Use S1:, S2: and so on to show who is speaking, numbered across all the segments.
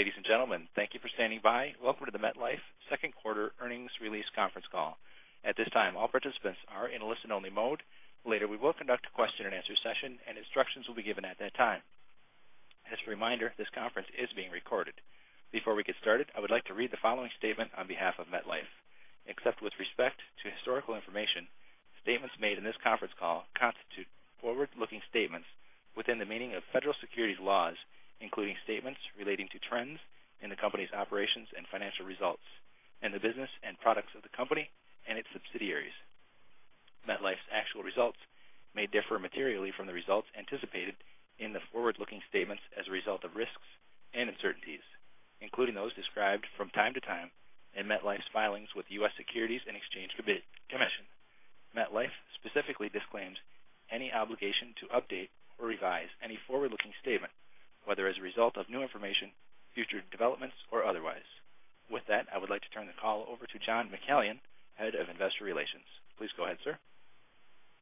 S1: Ladies and gentlemen, thank you for standing by. Welcome to the MetLife second quarter earnings release conference call. At this time, all participants are in listen-only mode. Later, we will conduct a question-and-answer session, and instructions will be given at that time. As a reminder, this conference is being recorded. Before we get started, I would like to read the following statement on behalf of MetLife. Except with respect to historical information, statements made in this conference call constitute forward-looking statements within the meaning of federal securities laws, including statements relating to trends in the company's operations and financial results and the business and products of the company and its subsidiaries. MetLife's actual results may differ materially from the results anticipated in the forward-looking statements as a result of risks and uncertainties, including those described from time to time in MetLife's filings with U.S. Securities and Exchange Commission. MetLife specifically disclaims any obligation to update or revise any forward-looking statement, whether as a result of new information, future developments, or otherwise. I would like to turn the call over to John McCallion, Head of Investor Relations. Please go ahead, sir.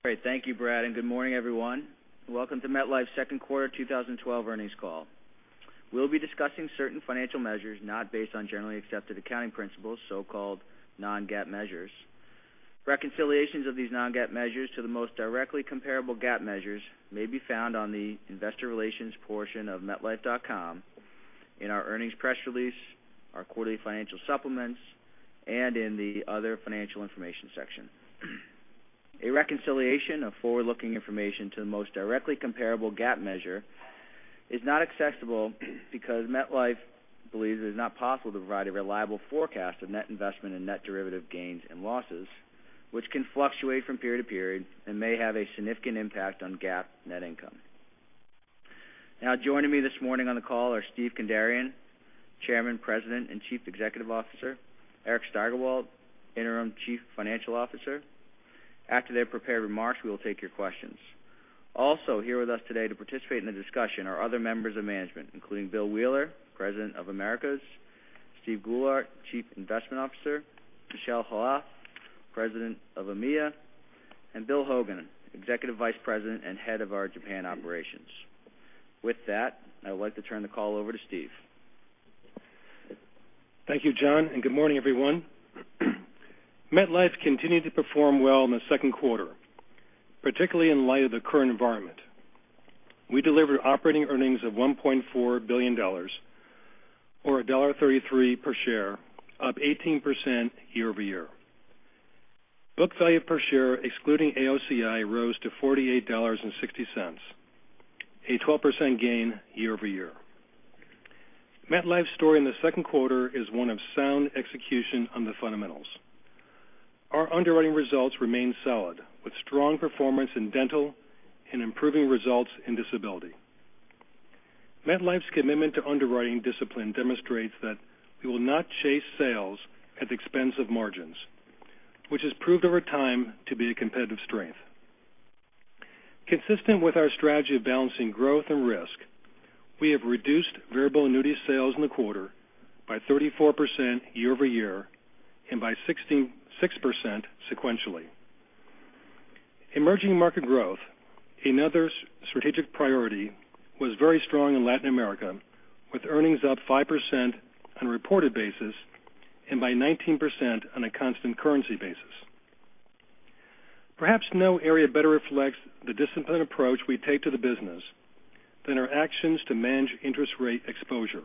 S2: Great. Thank you, Brad, and good morning, everyone. Welcome to MetLife's second quarter 2012 earnings call. We'll be discussing certain financial measures not based on generally accepted accounting principles, so-called non-GAAP measures. Reconciliations of these non-GAAP measures to the most directly comparable GAAP measures may be found on the investor relations portion of metlife.com, in our earnings press release, our quarterly financial supplements, and in the other financial information section. A reconciliation of forward-looking information to the most directly comparable GAAP measure is not accessible because MetLife believes it is not possible to provide a reliable forecast of net investment and net derivative gains and losses, which can fluctuate from period to period and may have a significant impact on GAAP net income. Joining me this morning on the call are Steve Kandarian, Chairman, President, and Chief Executive Officer, Eric Steigerwalt, Interim Chief Financial Officer. After their prepared remarks, we will take your questions. Also here with us today to participate in the discussion are other members of management, including Bill Wheeler, President of Americas, Steve Goulart, Chief Investment Officer, Michel Khalaf, President of EMEA, and Bill Hogan, Executive Vice President and Head of our Japan operations. I would like to turn the call over to Steve.
S3: Thank you, John, and good morning, everyone. MetLife continued to perform well in the second quarter, particularly in light of the current environment. We delivered operating earnings of $1.4 billion, or $1.33 per share, up 18% year-over-year. Book value per share, excluding AOCI, rose to $48.60, a 12% gain year-over-year. MetLife's story in the second quarter is one of sound execution on the fundamentals. Our underwriting results remain solid, with strong performance in dental and improving results in disability. MetLife's commitment to underwriting discipline demonstrates that we will not chase sales at the expense of margins, which has proved over time to be a competitive strength. Consistent with our strategy of balancing growth and risk, we have reduced variable annuity sales in the quarter by 34% year-over-year and by 6% sequentially. Emerging market growth, another strategic priority, was very strong in Latin America, with earnings up 5% on a reported basis and by 19% on a constant currency basis. Perhaps no area better reflects the disciplined approach we take to the business than our actions to manage interest rate exposure.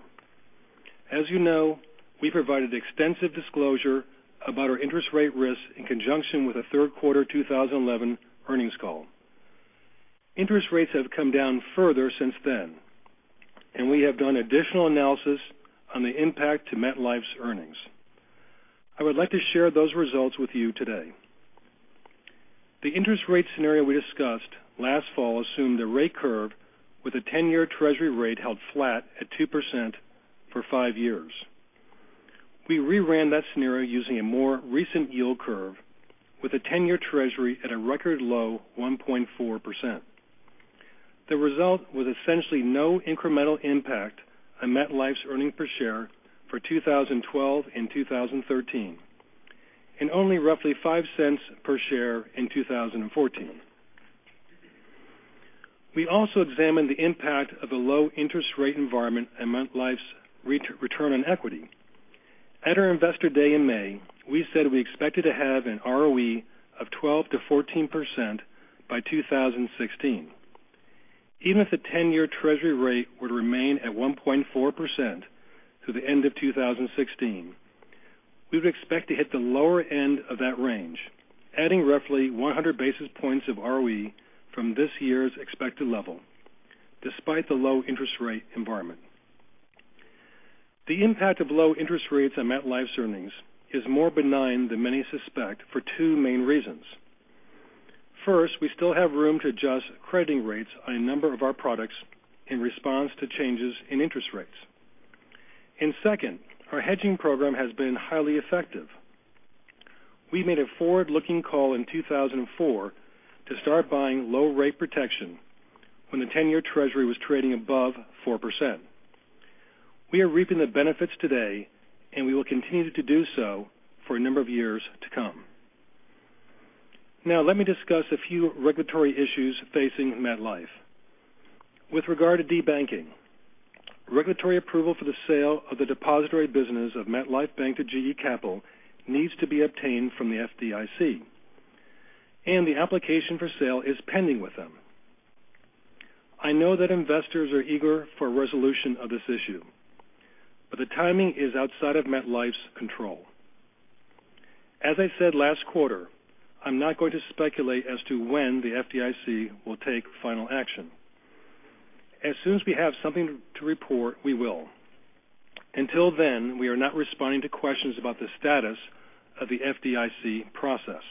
S3: As you know, we provided extensive disclosure about our interest rate risks in conjunction with the third quarter 2011 earnings call. Interest rates have come down further since then, we have done additional analysis on the impact to MetLife's earnings. I would like to share those results with you today. The interest rate scenario we discussed last fall assumed a rate curve with a 10-year treasury rate held flat at 2% for five years. We reran that scenario using a more recent yield curve with a 10-year treasury at a record low 1.4%. The result was essentially no incremental impact on MetLife's earnings per share for 2012 and 2013, only roughly $0.05 per share in 2014. We also examined the impact of the low interest rate environment on MetLife's return on equity. At our Investor Day in May, we said we expected to have an ROE of 12%-14% by 2016. Even if the 10-year treasury rate were to remain at 1.4% through the end of 2016, we would expect to hit the lower end of that range, adding roughly 100 basis points of ROE from this year's expected level, despite the low interest rate environment. The impact of low interest rates on MetLife's earnings is more benign than many suspect for two main reasons. First, we still have room to adjust crediting rates on a number of our products in response to changes in interest rates. Second, our hedging program has been highly effective. We made a forward-looking call in 2004 to start buying low rate protection when the 10-year treasury was trading above 4%. We are reaping the benefits today, we will continue to do so for a number of years to come. Now let me discuss a few regulatory issues facing MetLife. With regard to debanking, regulatory approval for the sale of the depository business of MetLife Bank to GE Capital needs to be obtained from the FDIC, the application for sale is pending with them. I know that investors are eager for a resolution of this issue, the timing is outside of MetLife's control. As I said last quarter, I'm not going to speculate as to when the FDIC will take final action. As soon as we have something to report, we will. Until then, we are not responding to questions about the status of the FDIC process.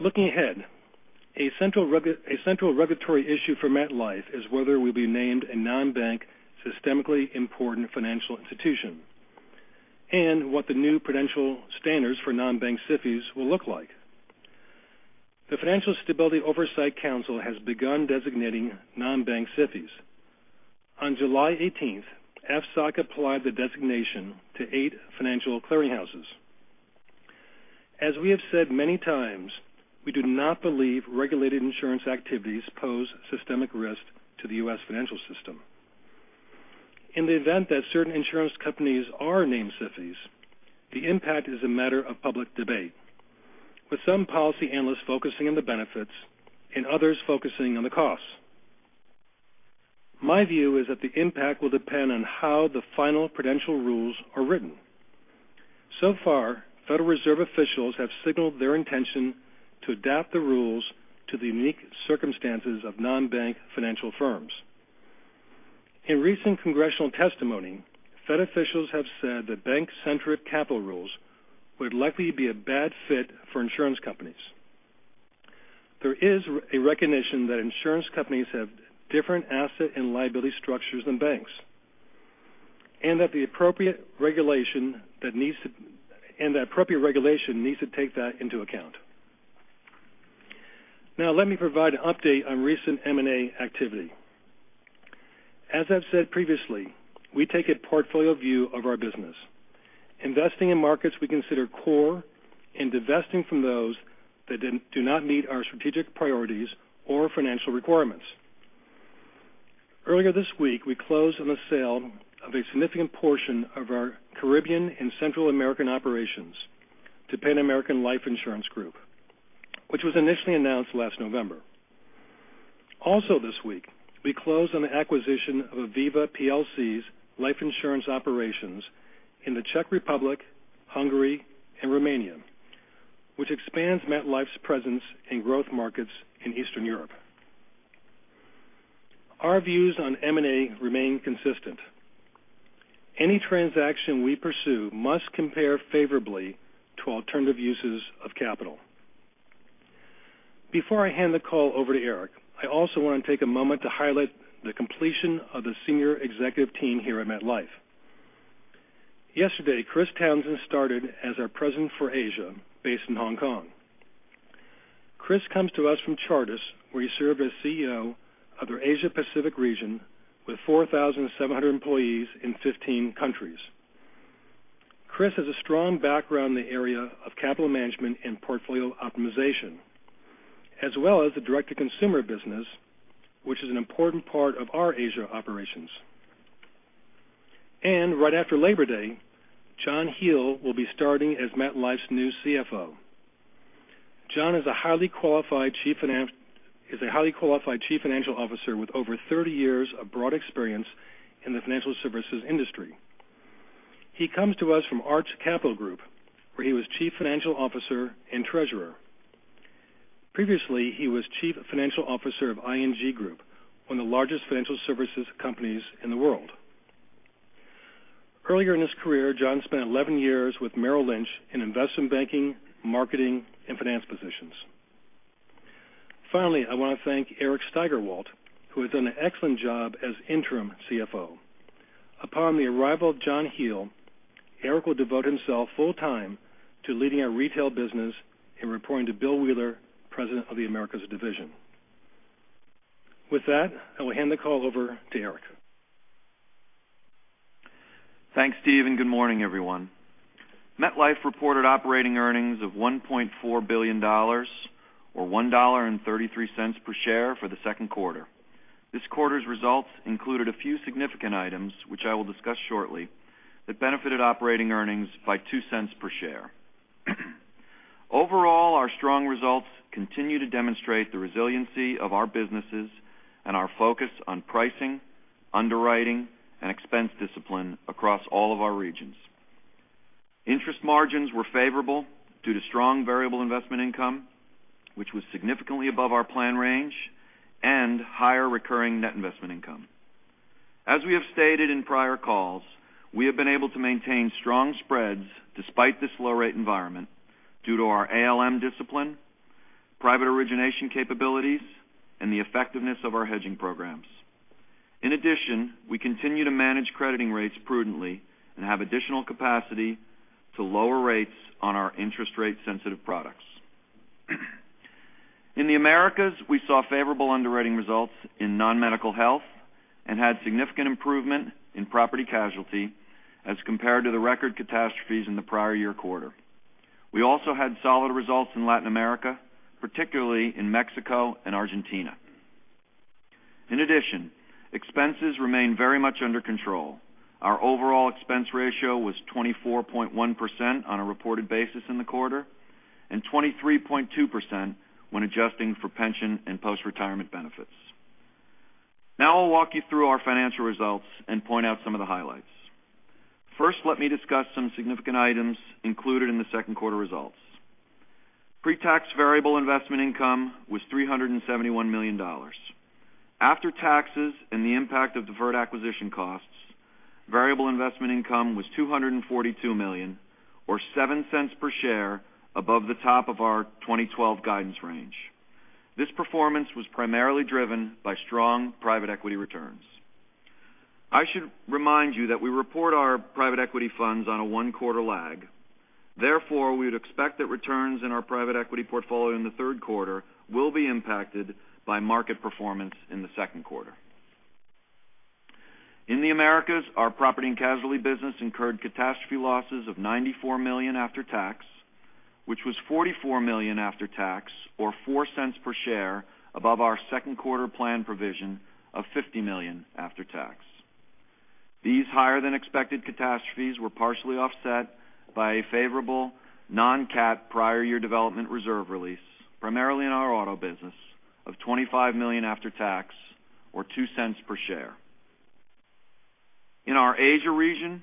S3: Looking ahead, a central regulatory issue for MetLife is whether we'll be named a non-bank systemically important financial institution and what the new prudential standards for non-bank SIFIs will look like. The Financial Stability Oversight Council has begun designating non-bank SIFIs. On July 18th, FSOC applied the designation to eight financial clearing houses. As we have said many times, we do not believe regulated insurance activities pose systemic risk to the U.S. financial system. In the event that certain insurance companies are named SIFIs, the impact is a matter of public debate, with some policy analysts focusing on the benefits and others focusing on the costs. My view is that the impact will depend on how the final prudential rules are written. Federal Reserve officials have signaled their intention to adapt the rules to the unique circumstances of non-bank financial firms. In recent congressional testimony, Fed officials have said that bank-centric capital rules would likely be a bad fit for insurance companies. There is a recognition that insurance companies have different asset and liability structures than banks, and that appropriate regulation needs to take that into account. Let me provide an update on recent M&A activity. As I've said previously, we take a portfolio view of our business, investing in markets we consider core and divesting from those that do not meet our strategic priorities or financial requirements. Earlier this week, we closed on the sale of a significant portion of our Caribbean and Central American operations to Pan-American Life Insurance Group, which was initially announced last November. This week, we closed on the acquisition of Aviva plc's life insurance operations in the Czech Republic, Hungary and Romania, which expands MetLife's presence in growth markets in Eastern Europe. Our views on M&A remain consistent. Any transaction we pursue must compare favorably to alternative uses of capital. Before I hand the call over to Eric, I also want to take a moment to highlight the completion of the senior executive team here at MetLife. Yesterday, Chris Townsend started as our President for Asia, based in Hong Kong. Chris comes to us from Chartis, where he served as CEO of their Asia Pacific region with 4,700 employees in 15 countries. Chris has a strong background in the area of capital management and portfolio optimization, as well as the direct-to-consumer business, which is an important part of our Asia operations. Right after Labor Day, John Hele will be starting as MetLife's new CFO. John is a highly qualified chief financial officer with over 30 years of broad experience in the financial services industry. He comes to us from Arch Capital Group, where he was chief financial officer and treasurer. Previously, he was chief financial officer of ING Group, one of the largest financial services companies in the world. Earlier in his career, John spent 11 years with Merrill Lynch in investment banking, marketing, and finance positions. I want to thank Eric Steigerwalt, who has done an excellent job as interim CFO. Upon the arrival of John Hele, Eric will devote himself full time to leading our retail business and reporting to Bill Wheeler, President of the Americas division. I will hand the call over to Eric.
S4: Thanks, Steve, and good morning, everyone. MetLife reported operating earnings of $1.4 billion, or $1.33 per share for the second quarter. This quarter's results included a few significant items, which I will discuss shortly, that benefited operating earnings by $0.02 per share. Overall, our strong results continue to demonstrate the resiliency of our businesses and our focus on pricing, underwriting, and expense discipline across all of our regions. Interest margins were favorable due to strong variable investment income, which was significantly above our plan range and higher recurring net investment income. As we have stated in prior calls, we have been able to maintain strong spreads despite this low rate environment due to our ALM discipline, private origination capabilities, and the effectiveness of our hedging programs. In addition, we continue to manage crediting rates prudently and have additional capacity to lower rates on our interest rate sensitive products. In the Americas, we saw favorable underwriting results in non-medical health and had significant improvement in property casualty as compared to the record catastrophes in the prior year quarter. We also had solid results in Latin America, particularly in Mexico and Argentina. In addition, expenses remain very much under control. Our overall expense ratio was 24.1% on a reported basis in the quarter, and 23.2% when adjusting for pension and post-retirement benefits. I'll walk you through our financial results and point out some of the highlights. First, let me discuss some significant items included in the second quarter results. Pre-tax variable investment income was $371 million. After taxes and the impact of deferred acquisition costs, variable investment income was $242 million, or $0.07 per share above the top of our 2012 guidance range. This performance was primarily driven by strong private equity returns. I should remind you that we report our private equity funds on a one-quarter lag. Therefore, we would expect that returns in our private equity portfolio in the third quarter will be impacted by market performance in the second quarter. In the Americas, our property and casualty business incurred catastrophe losses of $94 million after tax, which was $44 million after tax, or $0.04 per share above our second quarter planned provision of $50 million after tax. These higher than expected catastrophes were partially offset by a favorable non-cat prior year development reserve release, primarily in our auto business of $25 million after tax, or $0.02 per share. In our Asia region,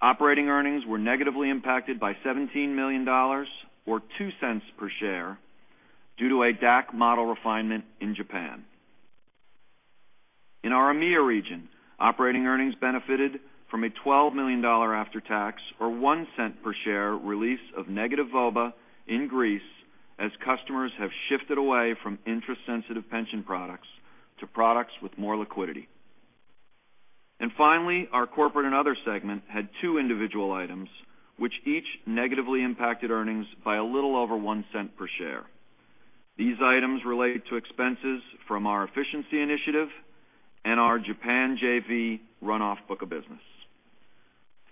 S4: operating earnings were negatively impacted by $17 million, or $0.02 per share, due to a DAC model refinement in Japan. In our EMEA region, operating earnings benefited from a $12 million after tax, or $0.01 per share release of negative VOBA in Greece as customers have shifted away from interest sensitive pension products to products with more liquidity. Finally, our corporate and other segment had two individual items, which each negatively impacted earnings by a little over $0.01 per share. These items relate to expenses from our efficiency initiative and our Japan JV runoff book of business.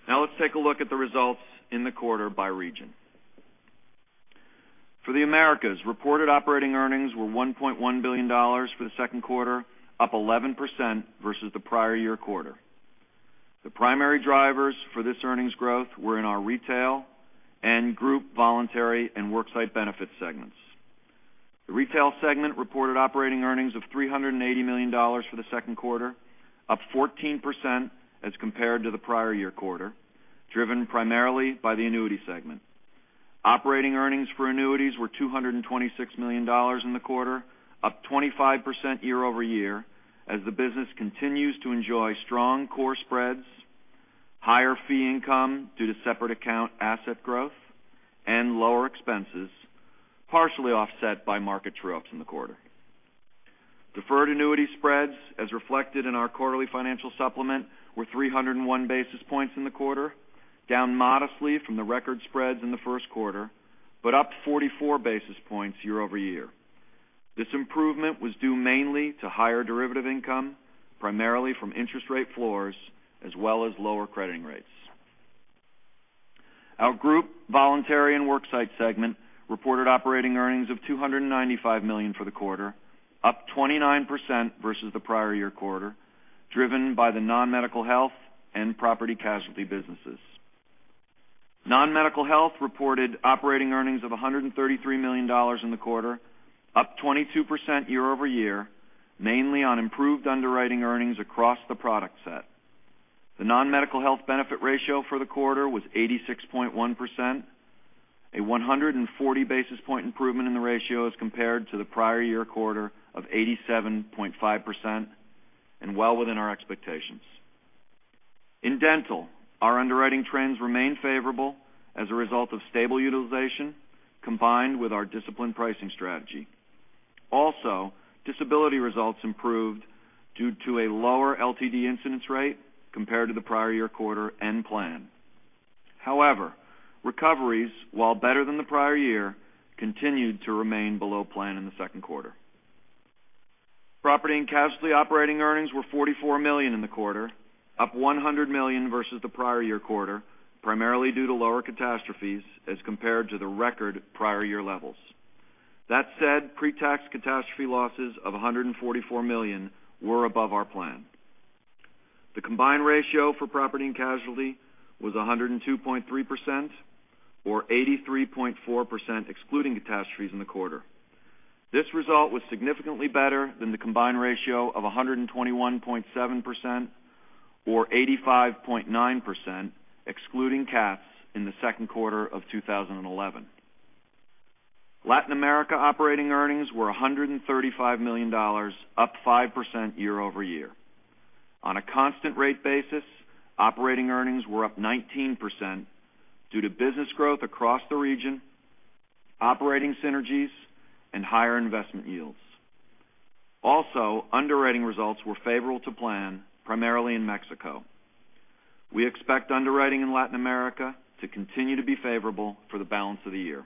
S4: Let's take a look at the results in the quarter by region. For the Americas, reported operating earnings were $1.1 billion for the second quarter, up 11% versus the prior year quarter. The primary drivers for this earnings growth were in our retail and group, voluntary, and worksite benefit segments. The retail segment reported operating earnings of $380 million for the second quarter, up 14% as compared to the prior year quarter, driven primarily by the annuity segment. Operating earnings for annuities were $226 million in the quarter, up 25% year-over-year as the business continues to enjoy strong core spreads, higher fee income due to separate account asset growth, and lower expenses, partially offset by market drops in the quarter. Deferred annuity spreads as reflected in our quarterly financial supplement were 301 basis points in the quarter, down modestly from the record spreads in the first quarter, but up 44 basis points year-over-year. This improvement was due mainly to higher derivative income, primarily from interest rate floors, as well as lower crediting rates. Our group, voluntary, and worksite segment reported operating earnings of $295 million for the quarter, up 29% versus the prior year quarter, driven by the non-medical health and property casualty businesses. Non-medical health reported operating earnings of $133 million in the quarter, up 22% year-over-year, mainly on improved underwriting earnings across the product set. The non-medical health benefit ratio for the quarter was 86.1%, a 140 basis point improvement in the ratio as compared to the prior year quarter of 87.5%, and well within our expectations. In dental, our underwriting trends remain favorable as a result of stable utilization combined with our disciplined pricing strategy. Disability results improved due to a lower LTD incidence rate compared to the prior year quarter and plan. However, recoveries, while better than the prior year, continued to remain below plan in the second quarter. Property and casualty operating earnings were $44 million in the quarter, up $100 million versus the prior year quarter, primarily due to lower catastrophes as compared to the record prior year levels. That said, pre-tax catastrophe losses of $144 million were above our plan. The combined ratio for property and casualty was 102.3%, or 83.4% excluding catastrophes in the quarter. This result was significantly better than the combined ratio of 121.7%, or 85.9% excluding cats in the second quarter of 2011. Latin America operating earnings were $135 million, up 5% year-over-year. On a constant rate basis, operating earnings were up 19% due to business growth across the region, operating synergies, and higher investment yields. Underwriting results were favorable to plan, primarily in Mexico. We expect underwriting in Latin America to continue to be favorable for the balance of the year.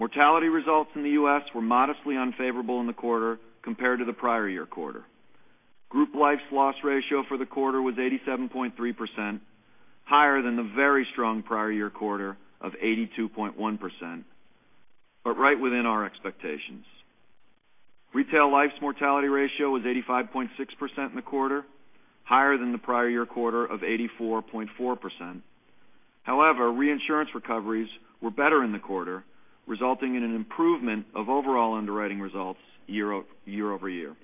S4: Mortality results in the U.S. were modestly unfavorable in the quarter compared to the prior year quarter. Group life's loss ratio for the quarter was 87.3%, higher than the very strong prior year quarter of 82.1%, but right within our expectations. Retail life's mortality ratio was 85.6% in the quarter, higher than the prior year quarter of 84.4%. However, reinsurance recoveries were better in the quarter, resulting in an improvement of overall underwriting results year-over-year.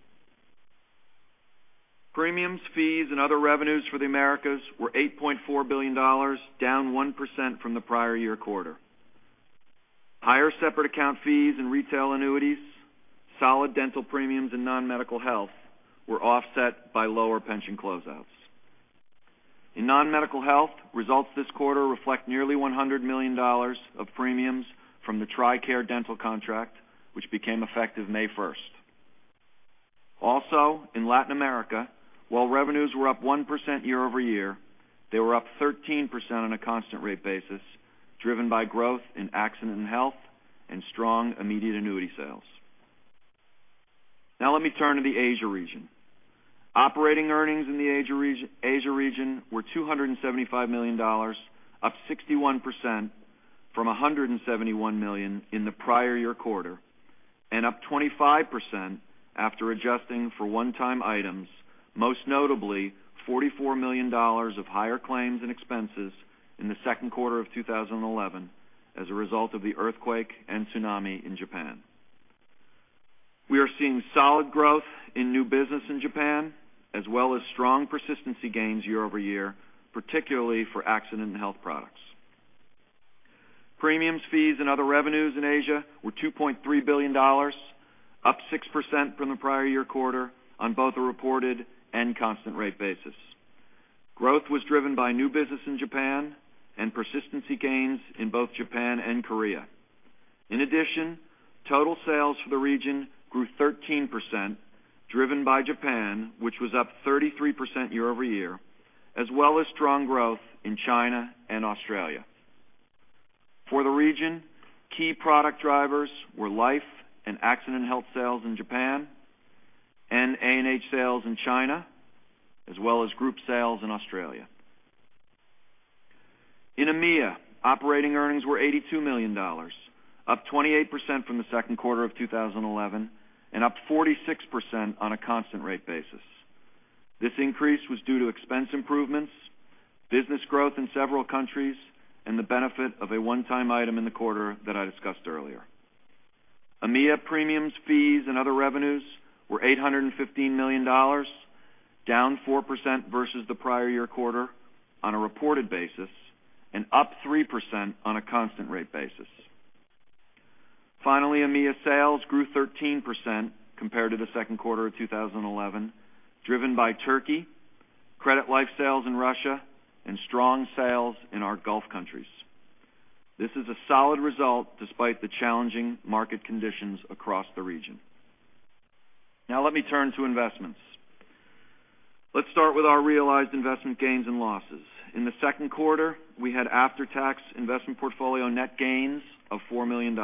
S4: Premiums, fees, and other revenues for the Americas were $8.4 billion, down 1% from the prior year quarter. Higher separate account fees and retail annuities, solid dental premiums, and non-medical health were offset by lower pension closeouts. In non-medical health, results this quarter reflect nearly $100 million of premiums from the TRICARE Dental contract, which became effective May 1st. Also, in Latin America, while revenues were up 1% year-over-year, they were up 13% on a constant rate basis, driven by growth in accident and health and strong immediate annuity sales. Let me turn to the Asia region. Operating earnings in the Asia region were $275 million, up 61% from $171 million in the prior year quarter, and up 25% after adjusting for one-time items, most notably, $44 million of higher claims and expenses in the second quarter of 2011 as a result of the earthquake and tsunami in Japan. We are seeing solid growth in new business in Japan, as well as strong persistency gains year-over-year, particularly for accident and health products. Premiums, fees, and other revenues in Asia were $2.3 billion, up 6% from the prior year quarter on both a reported and constant rate basis. Growth was driven by new business in Japan and persistency gains in both Japan and Korea. Total sales for the region grew 13%, driven by Japan, which was up 33% year-over-year, as well as strong growth in China and Australia. For the region, key product drivers were life and accident and health sales in Japan and A&H sales in China, as well as group sales in Australia. In EMEA, operating earnings were $82 million, up 28% from the second quarter of 2011 and up 46% on a constant rate basis. This increase was due to expense improvements, business growth in several countries, and the benefit of a one-time item in the quarter that I discussed earlier. EMEA premiums, fees, and other revenues were $815 million, down 4% versus the prior year quarter on a reported basis and up 3% on a constant rate basis. EMEA sales grew 13% compared to the second quarter of 2011, driven by Turkey, credit life sales in Russia, and strong sales in our Gulf countries. This is a solid result despite the challenging market conditions across the region. Let me turn to investments. Let's start with our realized investment gains and losses. In the second quarter, we had after-tax investment portfolio net gains of $4 million.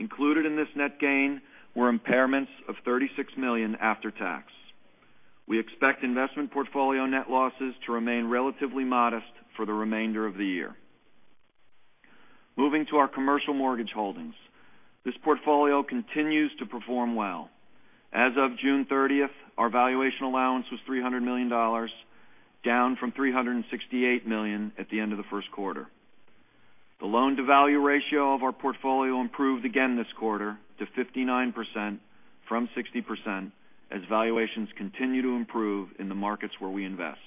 S4: Included in this net gain were impairments of $36 million after tax. We expect investment portfolio net losses to remain relatively modest for the remainder of the year. Moving to our commercial mortgage holdings. This portfolio continues to perform well. As of June 30th, our valuation allowance was $300 million, down from $368 million at the end of the first quarter. The loan-to-value ratio of our portfolio improved again this quarter to 59% from 60% as valuations continue to improve in the markets where we invest.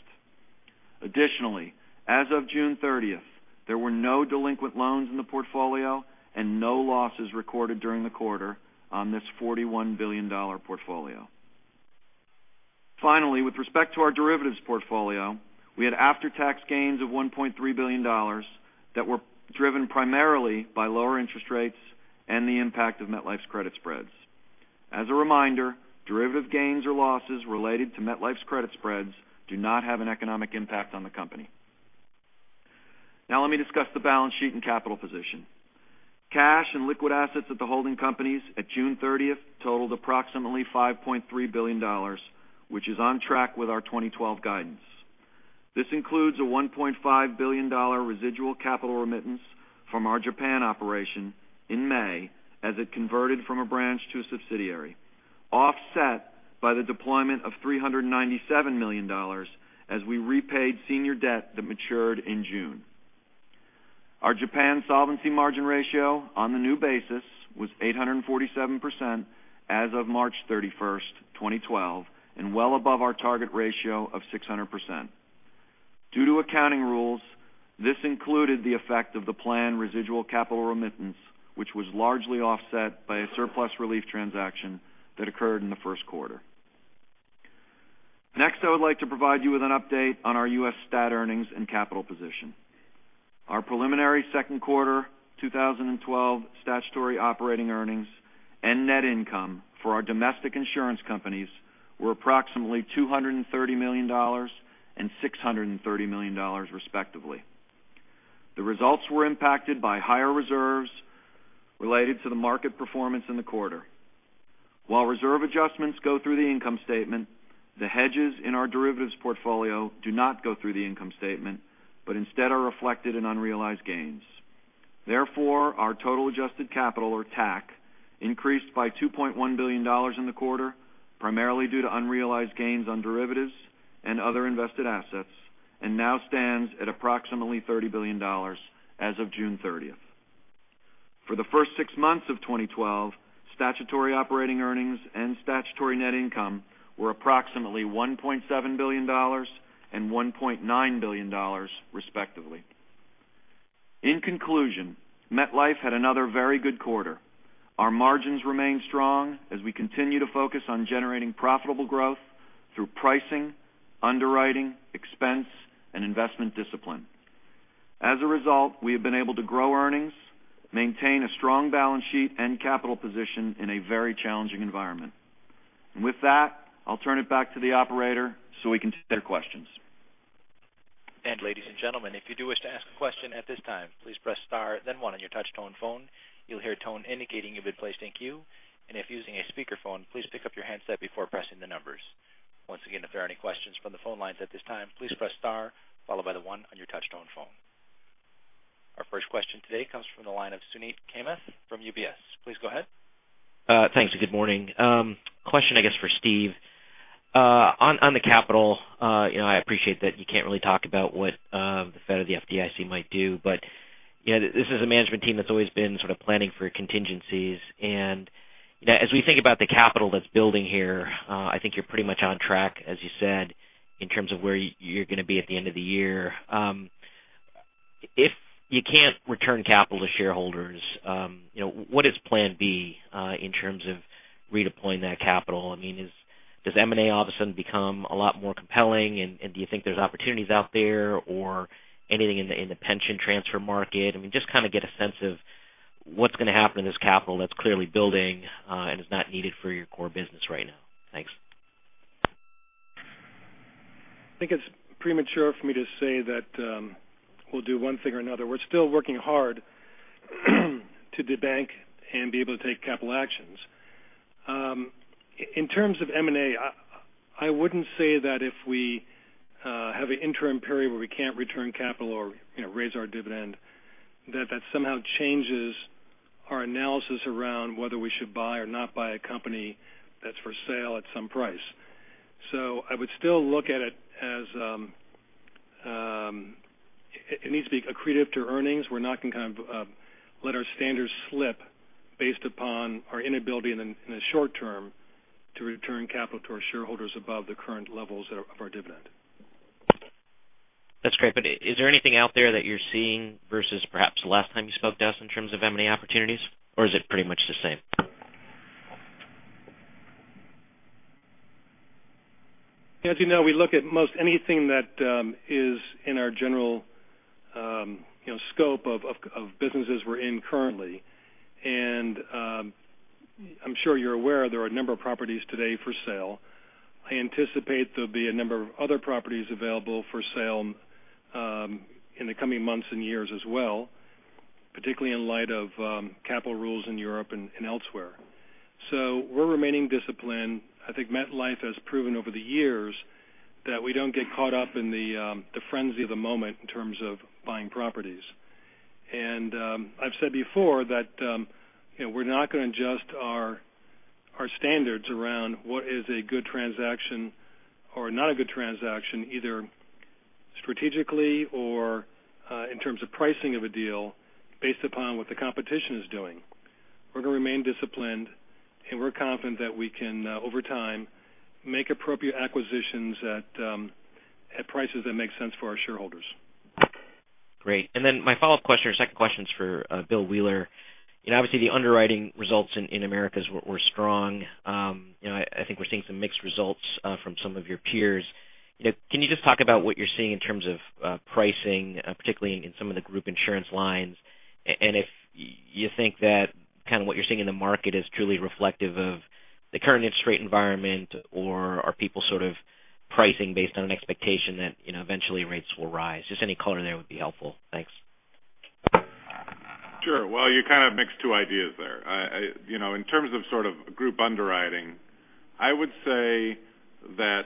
S4: As of June 30th, there were no delinquent loans in the portfolio and no losses recorded during the quarter on this $41 billion portfolio. With respect to our derivatives portfolio, we had after-tax gains of $1.3 billion that were driven primarily by lower interest rates and the impact of MetLife's credit spreads. As a reminder, derivative gains or losses related to MetLife's credit spreads do not have an economic impact on the company. Let me discuss the balance sheet and capital position. Cash and liquid assets at the holding companies at June 30th totaled approximately $5.3 billion, which is on track with our 2012 guidance. This includes a $1.5 billion residual capital remittance from our Japan operation in May as it converted from a branch to a subsidiary, offset by the deployment of $397 million as we repaid senior debt that matured in June. Our Japan solvency margin ratio on the new basis was 847% as of March 31st, 2012, and well above our target ratio of 600%. Due to accounting rules, this included the effect of the planned residual capital remittance, which was largely offset by a surplus relief transaction that occurred in the first quarter. Next, I would like to provide you with an update on our U.S. stat earnings and capital position. Our preliminary second quarter 2012 statutory operating earnings and net income for our domestic insurance companies were approximately $230 million and $630 million respectively. The results were impacted by higher reserves related to the market performance in the quarter. While reserve adjustments go through the income statement, the hedges in our derivatives portfolio do not go through the income statement, but instead are reflected in unrealized gains. Therefore, our total adjusted capital or TAC increased by $2.1 billion in the quarter, primarily due to unrealized gains on derivatives and other invested assets, and now stands at approximately $30 billion as of June 30th. For the first six months of 2012, statutory operating earnings and statutory net income were approximately $1.7 billion and $1.9 billion, respectively. In conclusion, MetLife had another very good quarter. Our margins remain strong as we continue to focus on generating profitable growth through pricing, underwriting, expense, and investment discipline. As a result, we have been able to grow earnings, maintain a strong balance sheet and capital position in a very challenging environment. With that, I'll turn it back to the operator so we can take questions.
S1: Ladies and gentlemen, if you do wish to ask a question at this time, please press star then one on your touch tone phone. You'll hear a tone indicating you've been placed in queue, and if using a speakerphone, please pick up your handset before pressing the numbers. Once again, if there are any questions from the phone lines at this time, please press star followed by the one on your touch tone phone. Our first question today comes from the line of Suneet Kamath from UBS. Please go ahead.
S5: Thanks, and good morning. Question, I guess, for Steve. On the capital, I appreciate that you can't really talk about what the Fed or the FDIC might do, but this is a management team that's always been sort of planning for contingencies, and as we think about the capital that's building here, I think you're pretty much on track, as you said, in terms of where you're going to be at the end of the year. If you can't return capital to shareholders, what is plan B in terms of redeploying that capital? I mean, does M&A all of a sudden become a lot more compelling, and do you think there's opportunities out there or anything in the pension transfer market? I mean, just kind of get a sense of what's going to happen in this capital that's clearly building and is not needed for your core business right now. Thanks.
S3: I think it's premature for me to say that we'll do one thing or another. We're still working hard to de-bank and be able to take capital actions. In terms of M&A, I wouldn't say that if we have an interim period where we can't return capital or raise our dividend, that that somehow changes our analysis around whether we should buy or not buy a company that's for sale at some price. I would still look at it as it needs to be accretive to earnings. We're not going to kind of let our standards slip based upon our inability in the short term to return capital to our shareholders above the current levels of our dividend.
S5: That's great. Is there anything out there that you're seeing versus perhaps the last time you spoke to us in terms of M&A opportunities? Is it pretty much the same?
S3: As you know, we look at most anything that is in our general scope of businesses we're in currently. I'm sure you're aware there are a number of properties today for sale. I anticipate there'll be a number of other properties available for sale in the coming months and years as well, particularly in light of capital rules in Europe and elsewhere. We're remaining disciplined. I think MetLife has proven over the years that we don't get caught up in the frenzy of the moment in terms of buying properties. I've said before that we're not going to adjust our standards around what is a good transaction or not a good transaction, either strategically or in terms of pricing of a deal based upon what the competition is doing. We're going to remain disciplined, and we're confident that we can, over time, make appropriate acquisitions at prices that make sense for our shareholders.
S5: Great. My follow-up question or second question is for Bill Wheeler. Obviously, the underwriting results in the Americas were strong. I think we're seeing some mixed results from some of your peers. Can you just talk about what you're seeing in terms of pricing, particularly in some of the group insurance lines? If you think that kind of what you're seeing in the market is truly reflective of the current interest rate environment, or are people sort of pricing based on an expectation that eventually rates will rise? Just any color there would be helpful. Thanks.
S6: Sure. You kind of mixed two ideas there. In terms of sort of group underwriting, I would say that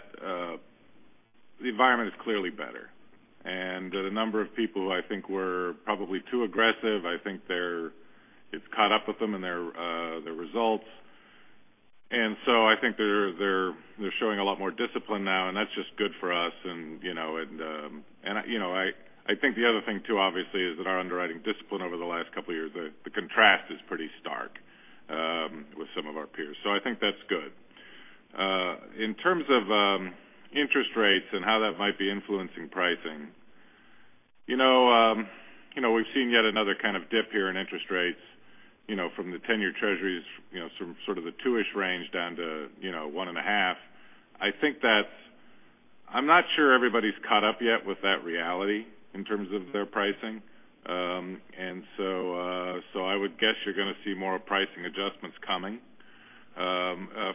S6: the environment is clearly better, and the number of people who I think were probably too aggressive, I think it's caught up with them in their results. I think they're showing a lot more discipline now, and that's just good for us. I think the other thing, too, obviously, is that our underwriting discipline over the last couple of years, the contrast is pretty stark with some of our peers. I think that's good. In terms of interest rates and how that might be influencing pricing. We've seen yet another kind of dip here in interest rates, from the 10-year treasuries, sort of the two-ish range down to one and a half. I'm not sure everybody's caught up yet with that reality in terms of their pricing. I would guess you're going to see more pricing adjustments coming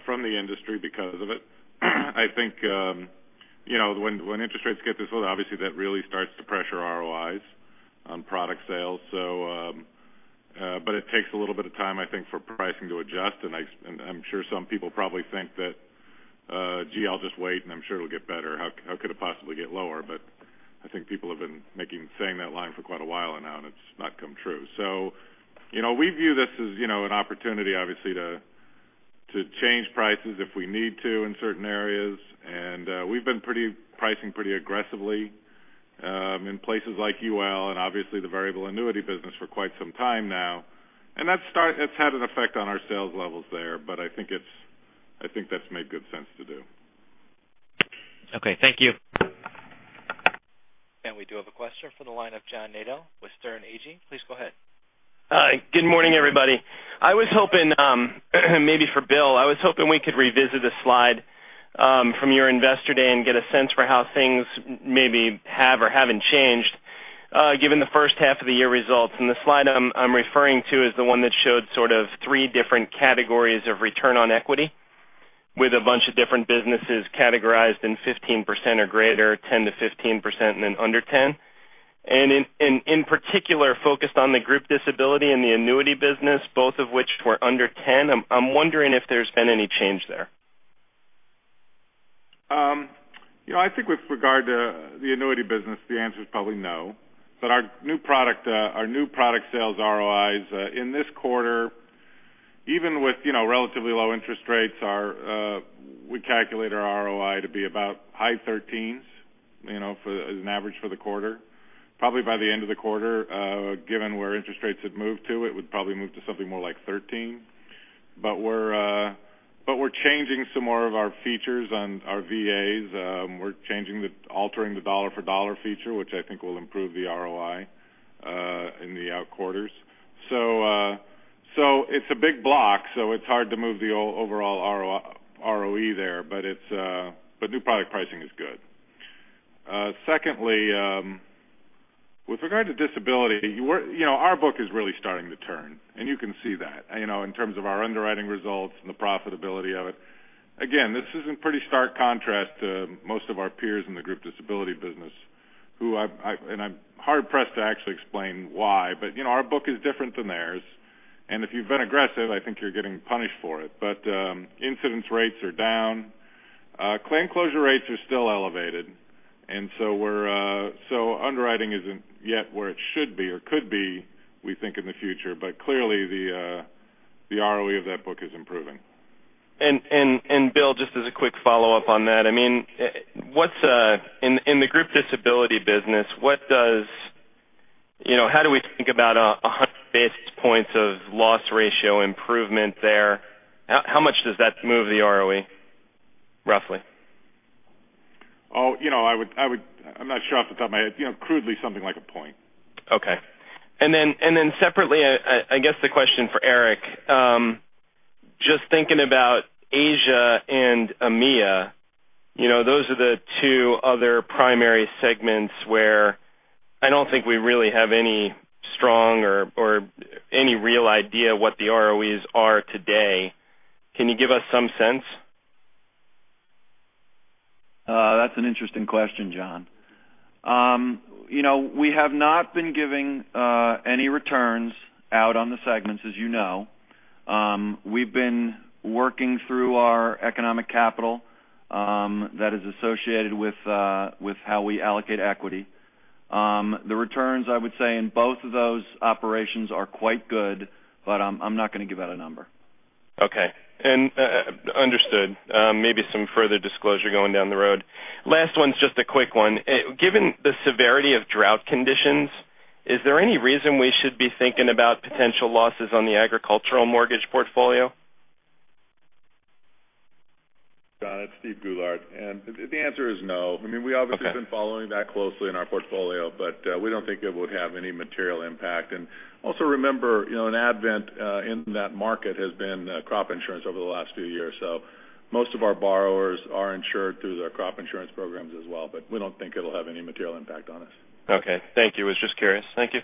S6: from the industry because of it. I think when interest rates get this low, obviously that really starts to pressure ROIs on product sales. It takes a little bit of time, I think, for pricing to adjust. I'm sure some people probably think that, "Gee, I'll just wait and I'm sure it'll get better. How could it possibly get lower?" I think people have been saying that line for quite a while now, and it's not come true. We view this as an opportunity, obviously, to change prices if we need to in certain areas. We've been pricing pretty aggressively in places like UL and obviously the variable annuity business for quite some time now. That's had an effect on our sales levels there, but I think that's made good sense to do.
S5: Okay. Thank you.
S1: We do have a question from the line of John Nadel with Sterne Agee. Please go ahead.
S7: Good morning, everybody. Maybe for Bill, I was hoping we could revisit a slide from your investor day and get a sense for how things maybe have or haven't changed, given the first half of the year results. The slide I'm referring to is the one that showed sort of three different categories of return on equity with a bunch of different businesses categorized in 15% or greater, 10%-15%, and then under 10. In particular, focused on the group disability and the annuity business, both of which were under 10. I'm wondering if there's been any change there.
S6: I think with regard to the annuity business, the answer is probably no. Our new product sales ROIs in this quarter, even with relatively low interest rates, we calculate our ROI to be about high 13s as an average for the quarter. Probably by the end of the quarter, given where interest rates have moved to, it would probably move to something more like 13. We're changing some more of our features on our VAs. We're altering the dollar-for-dollar feature, which I think will improve the ROI in the out quarters. It's a big block, so it's hard to move the overall ROE there, but new product pricing is good. Secondly, with regard to disability, our book is really starting to turn, and you can see that in terms of our underwriting results and the profitability of it. Again, this is in pretty stark contrast to most of our peers in the group disability business, I'm hard pressed to actually explain why. Our book is different than theirs, and if you've been aggressive, I think you're getting punished for it. Incidence rates are down. Claim closure rates are still elevated. Underwriting isn't yet where it should be or could be, we think in the future. Clearly, the ROE of that book is improving.
S7: Bill, just as a quick follow-up on that. In the group disability business, how do we think about 100 basis points of loss ratio improvement there? How much does that move the ROE, roughly?
S6: I'm not sure off the top of my head. Crudely, something like a point.
S7: Okay. Separately, I guess the question for Eric. Just thinking about Asia and EMEA, those are the two other primary segments where I don't think we really have any strong or any real idea what the ROEs are today. Can you give us some sense?
S4: That's an interesting question, John. We have not been giving any returns out on the segments, as you know. We've been working through our economic capital that is associated with how we allocate equity. The returns, I would say, in both of those operations are quite good, but I'm not going to give out a number.
S7: Okay. Understood. Maybe some further disclosure going down the road. Last one's just a quick one. Given the severity of drought conditions, is there any reason we should be thinking about potential losses on the agricultural mortgage portfolio?
S8: John, it's Steve Goulart. The answer is no.
S7: Okay.
S8: We obviously have been following that closely in our portfolio, but we don't think it would have any material impact. Also remember, an advent in that market has been crop insurance over the last few years. Most of our borrowers are insured through their crop insurance programs as well, but we don't think it'll have any material impact on us.
S7: Okay. Thank you. Was just curious. Thank you.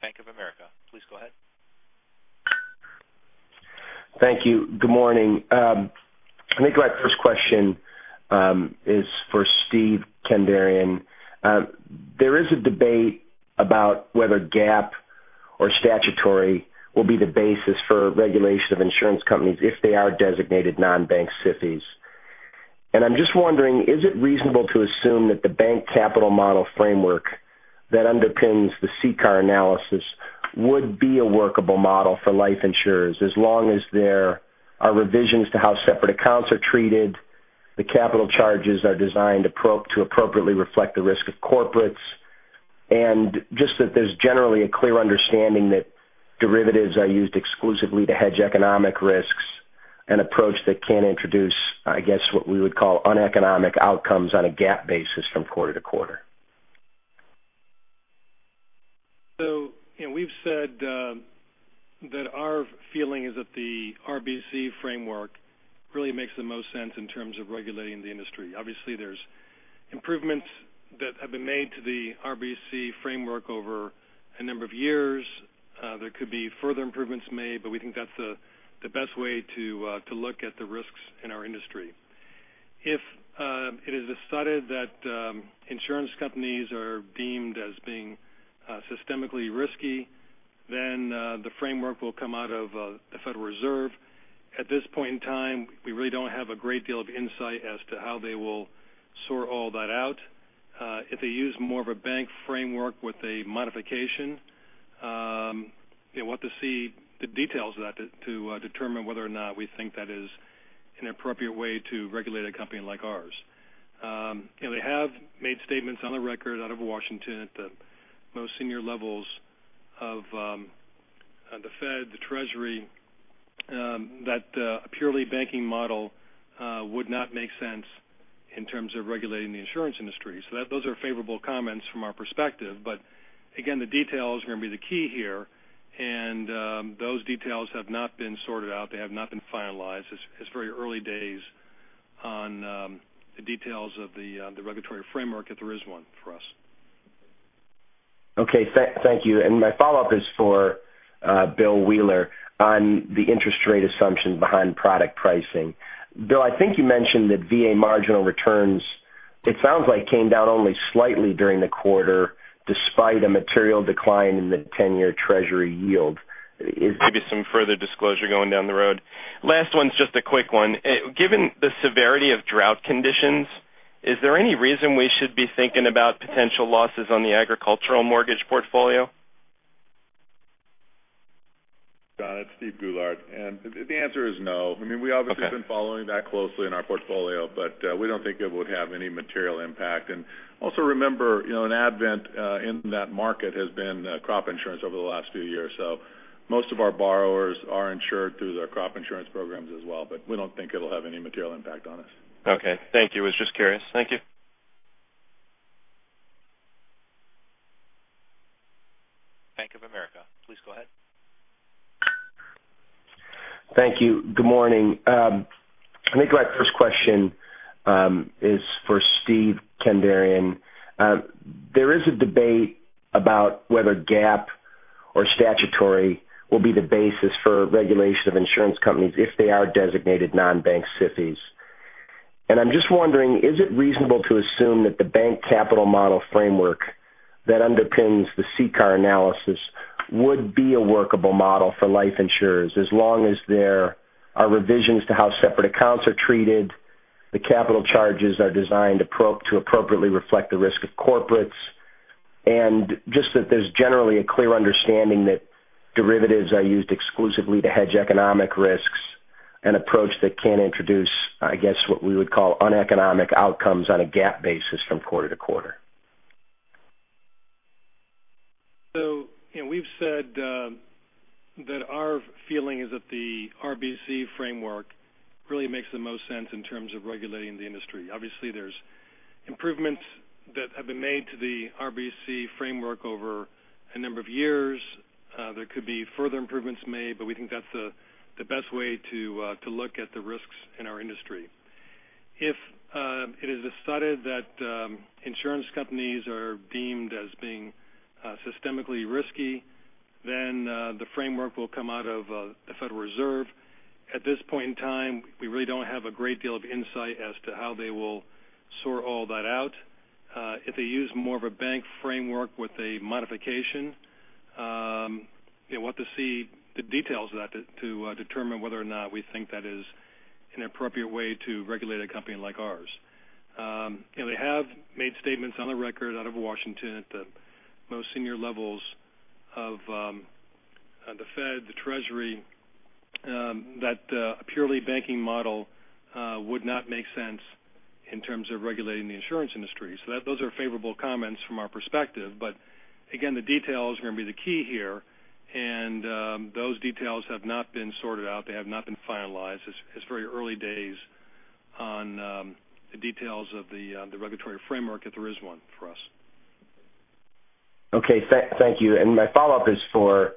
S1: Bank of America. Please go ahead.
S9: Thank you. Good morning. I think my first question is for Steven Kandarian. There is a debate about whether GAAP or statutory will be the basis for regulation of insurance companies if they are designated non-bank SIFIs. I'm just wondering, is it reasonable to assume that the bank capital model framework that underpins the CCAR analysis would be a workable model for life insurers as long as there are revisions to how separate accounts are treated, the capital charges are designed to appropriately reflect the risk of corporates? Just that there's generally a clear understanding that derivatives are used exclusively to hedge economic risks, an approach that can introduce, I guess, what we would call uneconomic outcomes on a GAAP basis from quarter to quarter.
S3: We've said that our feeling is that the RBC framework really makes the most sense in terms of regulating the industry. Obviously, there's improvements that have been made to the RBC framework over a number of years. There could be further improvements made, but we think that's the best way to look at the risks in our industry. If it is decided that insurance companies are deemed as being systemically risky, then the framework will come out of the Federal Reserve. At this point in time, we really don't have a great deal of insight as to how they will sort all that out. If they use more of a bank framework with a modification, we want to see the details of that to determine whether or not we think that is an appropriate way to regulate a company like ours. They have made statements on the record out of Washington at the most senior levels of the Fed, the Treasury, that a purely banking model would not make sense in terms of regulating the insurance industry. Those are favorable comments from our perspective. Again, the detail is going to be the key here, and those details have not been sorted out. They have not been finalized. It's very early days on the details of the regulatory framework, if there is one for us.
S9: Okay. Thank you. My follow-up is for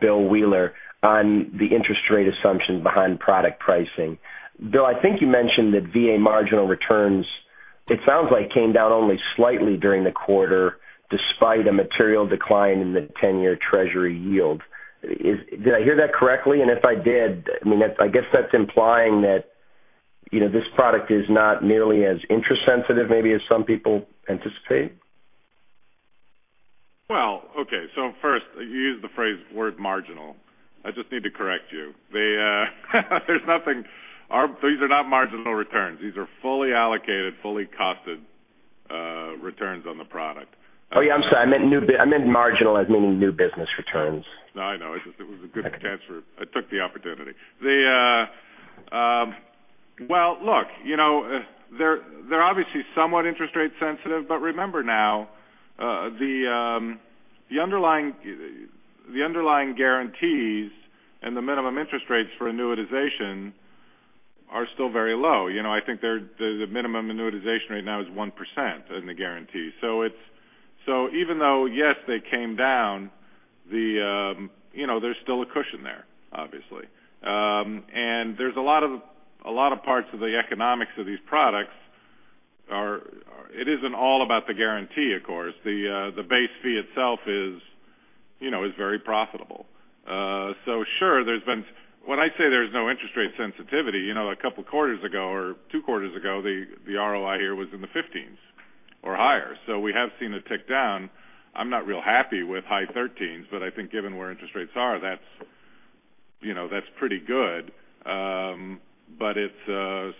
S9: Bill Wheeler on the interest rate assumption behind product pricing. Bill, I think you mentioned that VA marginal returns, it sounds like came down only slightly during the quarter Oh, yeah, I'm sorry. I meant marginal as meaning new business returns.
S6: No, I know. It was a good chance. I took the opportunity. Well, look, they're obviously somewhat interest rate sensitive, but remember now, the underlying guarantees and the minimum interest rates for annuitization are still very low. I think the minimum annuitization rate now is 1% in the guarantee. Even though, yes, they came down, there's still a cushion there, obviously. There's a lot of parts of the economics of these products. It isn't all about the guarantee, of course. The base fee itself is very profitable. Sure, when I say there's no interest rate sensitivity, a couple of quarters ago or two quarters ago, the ROI here was in the 15s or higher. We have seen it tick down. I'm not real happy with high 13s, but I think given where interest rates are, that's pretty good. There's been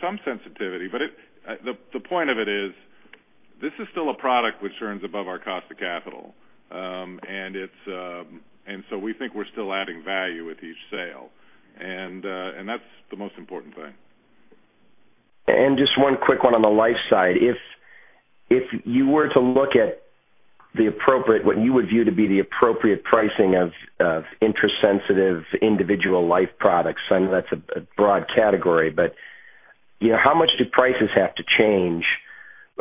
S6: some sensitivity, but the point of it is this is still a product which earns above our cost of capital. We think we're still adding value with each sale. That's the most important thing.
S9: Just one quick one on the life side. If you were to look at what you would view to be the appropriate pricing of interest-sensitive individual life products, I know that's a broad category, but how much do prices have to change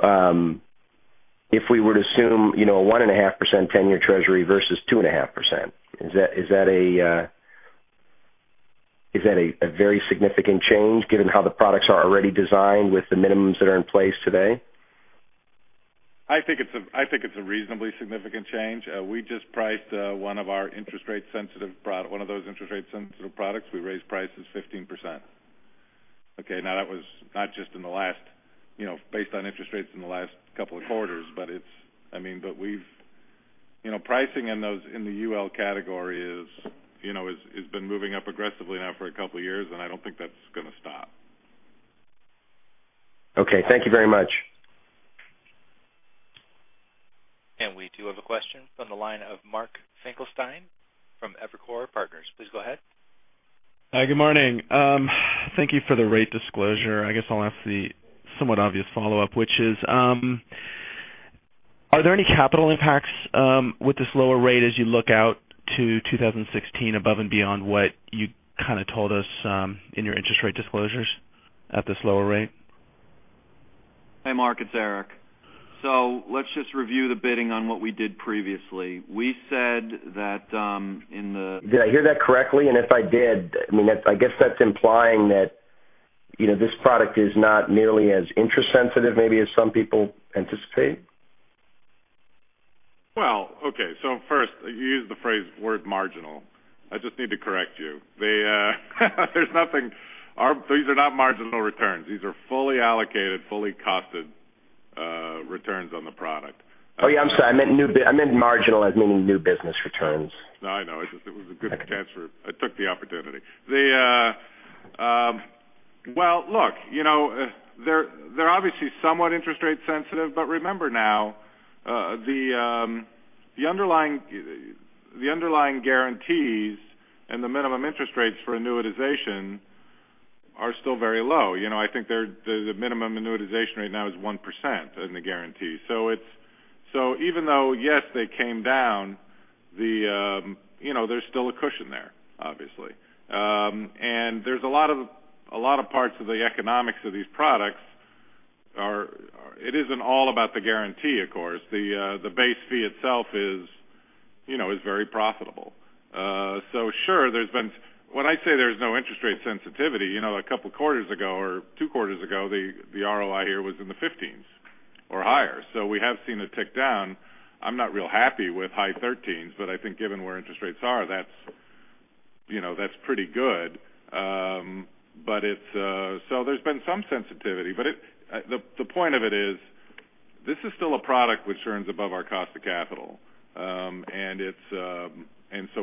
S9: if we were to assume 1.5% 10-year treasury versus 2.5%? Is that a very significant change given how the products are already designed with the minimums that are in place today?
S6: I think it's a reasonably significant change. We just priced one of those interest rate sensitive products. We raised prices 15%. Okay, now that was not just based on interest rates in the last couple of quarters, but pricing in the UL category has been moving up aggressively now for a couple of years, and I don't think that's going to stop.
S9: Okay. Thank you very much.
S1: We do have a question from the line of Mark Finkelstein from Evercore Partners. Please go ahead.
S10: Hi. Good morning. Thank you for the rate disclosure. I guess I'll ask the somewhat obvious follow-up, which is, are there any capital impacts with this lower rate as you look out to 2016 above and beyond what you kind of told us in your interest rate disclosures at this lower rate?
S4: Hey, Mark, it's Eric. Let's just review the bidding on what we did previously. We said that in the.
S9: Did I hear that correctly? If I did, I guess that's implying that this product is not nearly as interest sensitive maybe as some people anticipate?
S6: Well, okay. First, you used the word marginal. I just need to correct you. These are not marginal returns. These are fully allocated, fully costed returns on the product.
S9: Oh, yeah, I'm sorry. I meant marginal as meaning new business returns.
S6: No, I know. It was a good chance. I took the opportunity. Well, look, they're obviously somewhat interest rate sensitive, but remember now, the underlying guarantees and the minimum interest rates for annuitization are still very low. I think the minimum annuitization rate now is 1% in the guarantee. Even though, yes, they came down, there's still a cushion there, obviously. There's a lot of parts of the economics of these products. It isn't all about the guarantee, of course. The base fee itself is very profitable. Sure, when I say there's no interest rate sensitivity, a couple of quarters ago or two quarters ago, the ROI here was in the 15s or higher. We have seen it tick down. I'm not real happy with high 13s, but I think given where interest rates are, that's pretty good. There's been some sensitivity, but the point of it is this is still a product which earns above our cost of capital.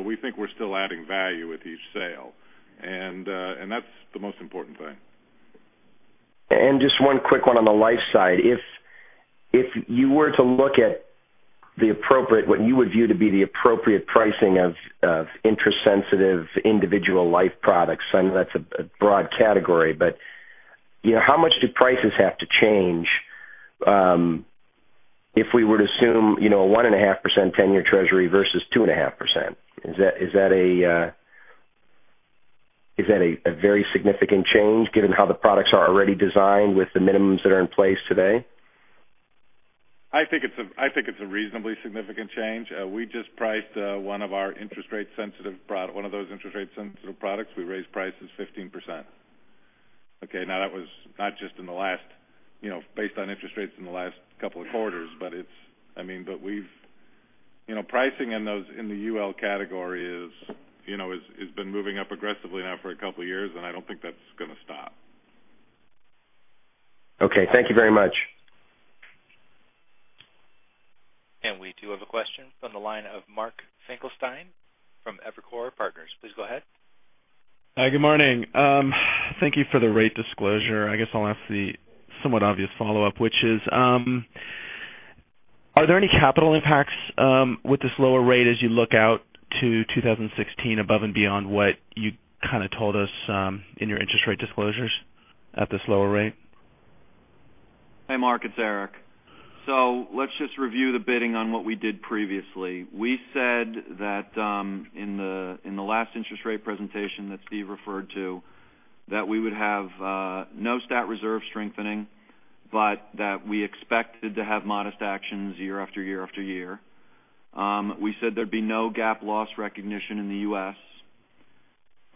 S6: We think we're still adding value with each sale. That's the most important thing.
S9: Just one quick one on the life side. If you were to look at what you would view to be the appropriate pricing of interest-sensitive individual life products, I know that's a broad category, but how much do prices have to change if we were to assume 1.5% 10-year treasury versus 2.5%? Is that a very significant change given how the products are already designed with the minimums that are in place today?
S6: I think it's a reasonably significant change. We just priced one of those interest rate sensitive products. We raised prices 15%. Okay, now that was not just based on interest rates in the last couple of quarters, but pricing in the UL category has been moving up aggressively now for a couple of years, and I don't think that's going to stop.
S9: Okay. Thank you very much.
S1: We do have a question from the line of Mark Finkelstein from Evercore Partners. Please go ahead.
S10: Hi. Good morning. Thank you for the rate disclosure. I guess I'll ask the
S4: that we would have no stat reserve strengthening, but that we expected to have modest actions year after year after year. We said there'd be no GAAP loss recognition in the U.S.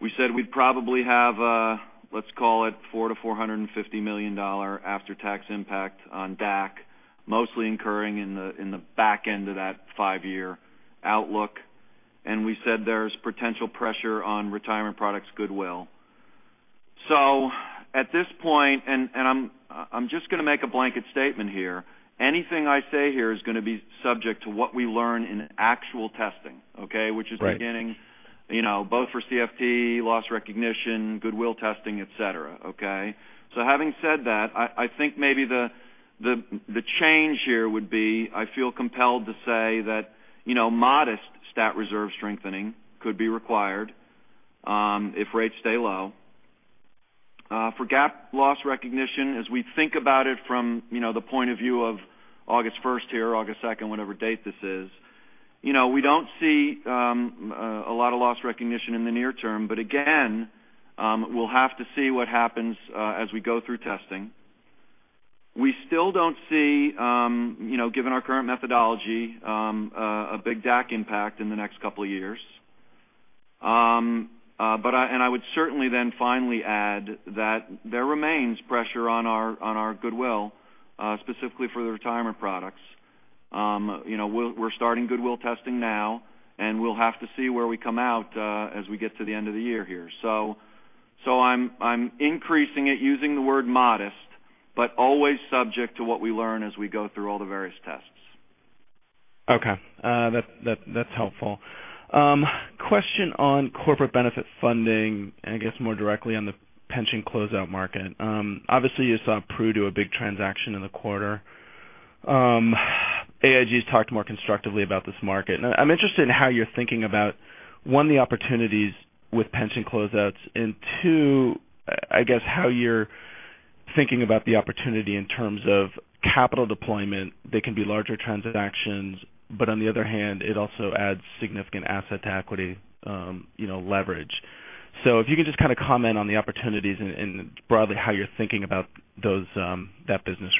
S4: We said we'd probably have a, let's call it $4 million-$450 million after-tax impact on DAC, mostly incurring in the back end of that five-year outlook. There's potential pressure on retirement products goodwill. At this point, and I'm just going to make a blanket statement here. Anything I say here is going to be subject to what we learn in actual testing, okay?
S10: Right.
S4: Which is beginning both for CFT, loss recognition, goodwill testing, et cetera. Okay? Having said that, I think maybe the change here would be, I feel compelled to say that modest stat reserve strengthening could be required if rates stay low. For GAAP loss recognition, as we think about it from the point of view of August 1st here, August 2nd, whatever date this is, we don't see a lot of loss recognition in the near term, but again we'll have to see what happens as we go through testing. We still don't see, given our current methodology, a big DAC impact in the next couple of years. I would certainly then finally add that there remains pressure on our goodwill, specifically for the retirement products. We're starting goodwill testing now, and we'll have to see where we come out as we get to the end of the year here. I'm increasing it using the word modest, but always subject to what we learn as we go through all the various tests.
S10: Okay. That's helpful. Question on corporate benefit funding, I guess more directly on the pension closeout market. Obviously, you saw Pru do a big transaction in the quarter. AIG's talked more constructively about this market. I'm interested in how you're thinking about, one, the opportunities with pension closeouts, and two, I guess how you're Thinking about the opportunity in terms of capital deployment, they can be larger transactions, but on the other hand, it also adds significant asset to equity leverage. If you could just comment on the opportunities and broadly how you're thinking about that business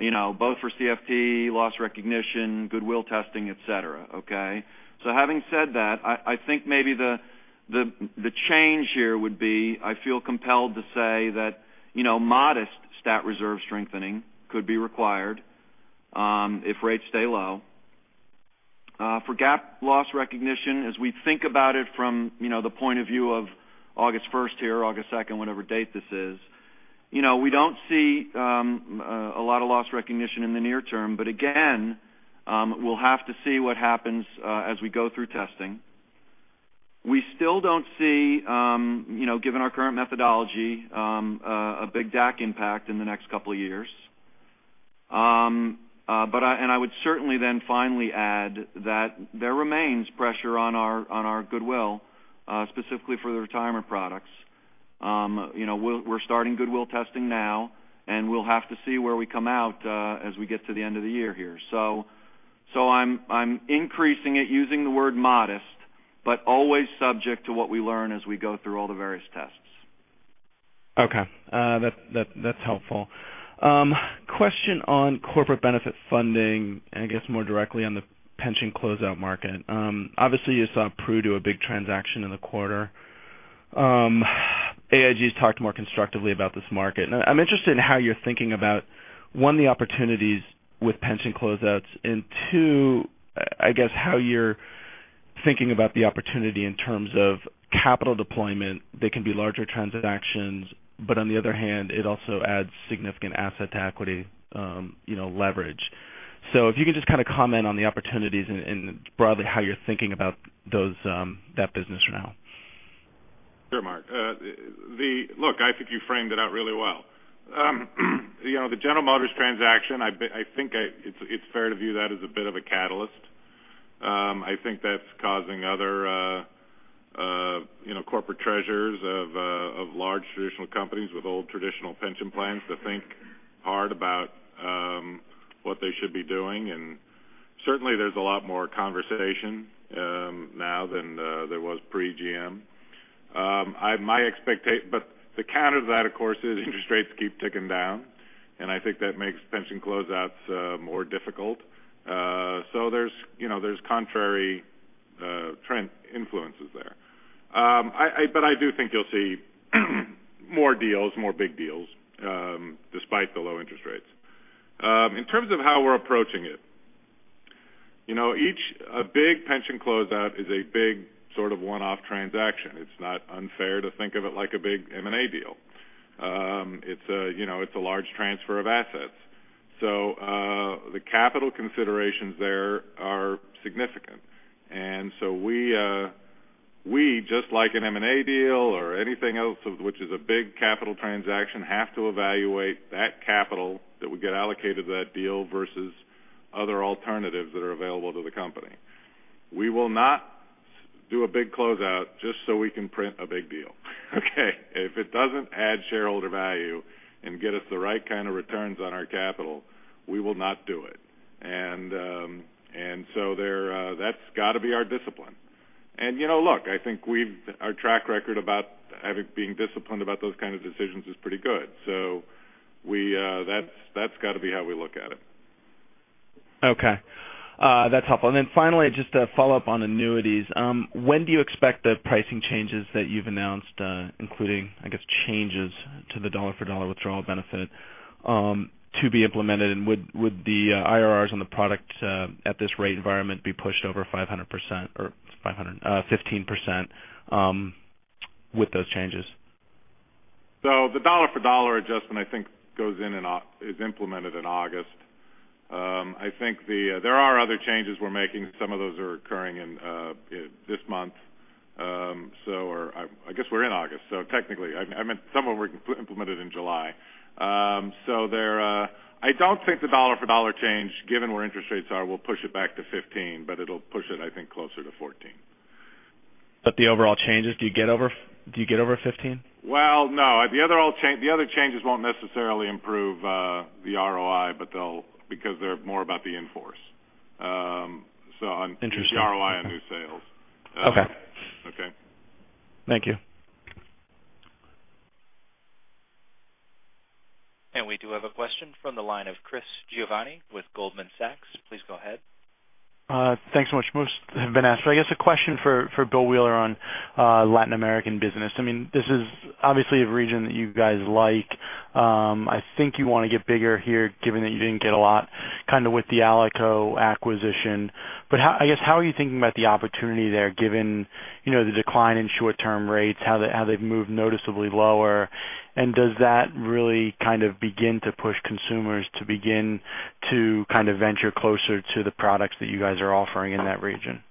S10: for now.
S6: Sure, Mark. Look, I think you framed it out really well. The General Motors transaction, I think it's fair to view that as a bit of a catalyst. I think that's causing other corporate treasurers of large traditional companies with old traditional pension plans to think hard about what they should be doing, and certainly there's a lot more conversation now than there was pre-GM. The counter to that, of course, is interest rates keep ticking down, and I think that makes pension closeouts more difficult. There's contrary trend influences there. I do think you'll see more deals, more big deals, despite the low interest rates. In terms of how we're approaching it, a big pension closeout is a big sort of one-off transaction. It's not unfair to think of it like a big M&A deal. It's a large transfer of assets. The capital considerations there are significant. We, just like an M&A deal or anything else which is a big capital transaction, have to evaluate that capital that would get allocated to that deal versus other alternatives that are available to the company. We will not do a big closeout just so we can print a big deal. Okay. If it doesn't add shareholder value and get us the right kind of returns on our capital, we will not do it. That's got to be our discipline. Look, I think our track record about being disciplined about those kind of decisions is pretty good. That's got to be how we look at it.
S11: Okay. That's helpful. Finally, just a follow-up on annuities. When do you expect the pricing changes that you've announced, including, I guess, changes to the dollar-for-dollar withdrawal benefit, to be implemented? Would the IRRs on the product at this rate environment be pushed over 15% with those changes?
S6: The dollar-for-dollar adjustment, I think, is implemented in August. I think there are other changes we're making. Some of those are occurring this month. I guess we're in August, technically, I meant some of them were implemented in July. I don't think the dollar-for-dollar change, given where interest rates are, will push it back to 15%, but it'll push it, I think, closer to 14%.
S11: The overall changes, do you get over 15%?
S6: Well, no. The other changes won't necessarily improve the ROI because they're more about the in-force.
S11: Interesting.
S6: The ROI on new sales.
S11: Okay.
S6: Okay.
S11: Thank you.
S1: We do have a question from the line of Chris Giovanni with Goldman Sachs. Please go ahead.
S11: Thanks so much. Most have been asked, but I guess a question for Bill Wheeler on Latin American business. This is obviously a region that you guys like. I think you want to get bigger here, given that you didn't get a lot with the Alico acquisition. I guess, how are you thinking about the opportunity there, given the decline in short-term rates, how they've moved noticeably lower, and does that really begin to push consumers to begin to venture closer to the products that you guys are offering in that region?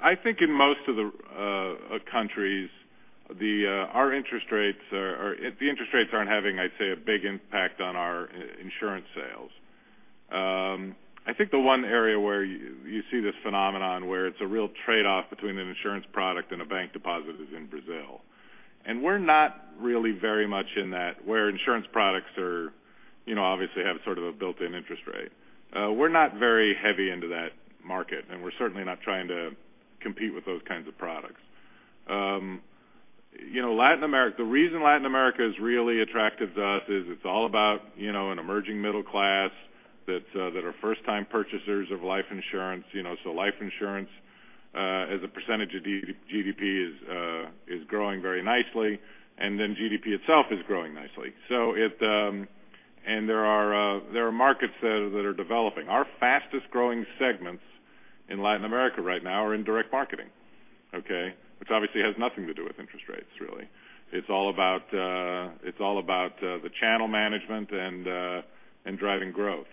S6: I think in most of the countries, the interest rates aren't having, I'd say, a big impact on our insurance sales. that are first-time purchasers of life insurance. Life insurance, as a % of GDP, is growing very nicely, and then GDP itself is growing nicely. There are markets that are developing. Our fastest-growing segments in Latin America right now are in direct marketing, okay? Which obviously has nothing to do with interest rates, really. It's all about the channel management and driving growth.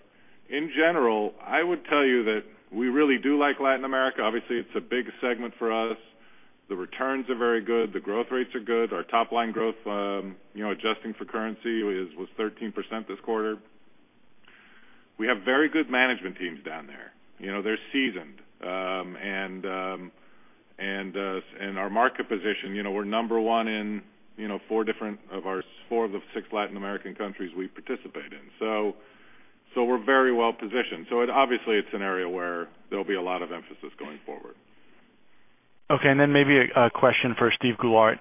S6: In general, I would tell you that we really do like Latin America. Obviously, it's a big segment for us. The returns are very good. The growth rates are good. Our top-line growth, adjusting for currency, was 13% this quarter. We have very good management teams down there. They're seasoned. Our market position, we're number one in four of the six Latin American countries we participate in. We're very well-positioned. Obviously, it's an area where there'll be a lot of emphasis going forward.
S11: A question for Steven Goulart.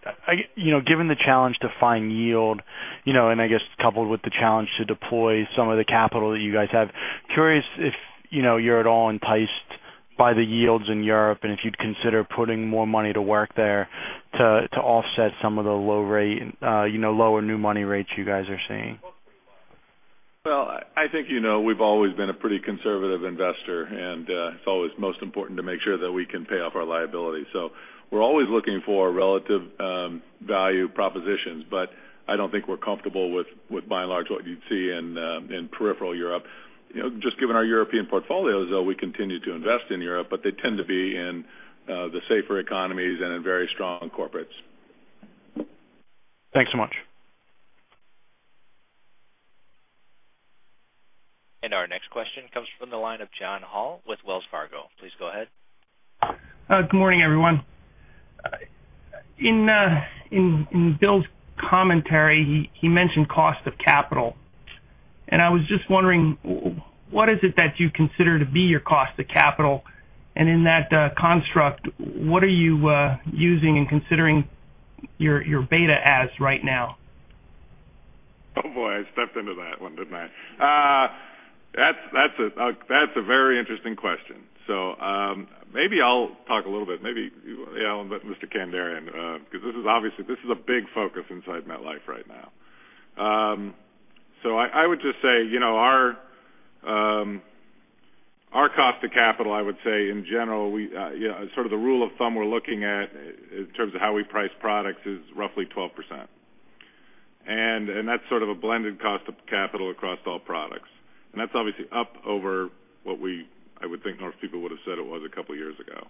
S11: Given the challenge to find yield, I guess coupled with the challenge to deploy some of the capital that you guys have, curious if you're at all enticed by the yields in Europe and if you'd consider putting more money to work there to offset some of the lower new money rates you guys are seeing.
S8: I think you know we've always been a pretty conservative investor, and it's always most important to make sure that we can pay off our liability. We're always looking for relative value propositions, but I don't think we're comfortable with, by and large, what you'd see in peripheral Europe. Just given our European portfolios, though, we continue to invest in Europe, but they tend to be in the safer economies and in very strong corporates.
S11: Thanks so much.
S1: Our next question comes from the line of John Hall with Wells Fargo. Please go ahead.
S12: Good morning, everyone. In Bill's commentary, he mentioned cost of capital, and I was just wondering, what is it that you consider to be your cost of capital? In that construct, what are you using and considering your beta as right now?
S6: Oh, boy, I stepped into that one, didn't I? That's a very interesting question. Maybe I'll talk a little bit, maybe Mr. Kandarian, because obviously, this is a big focus inside MetLife right now. I would just say our cost of capital, I would say in general, sort of the rule of thumb we're looking at in terms of how we price products is roughly 12%. That's sort of a blended cost of capital across all products. That's obviously up over what we, I would think most people would have said it was a couple of years ago.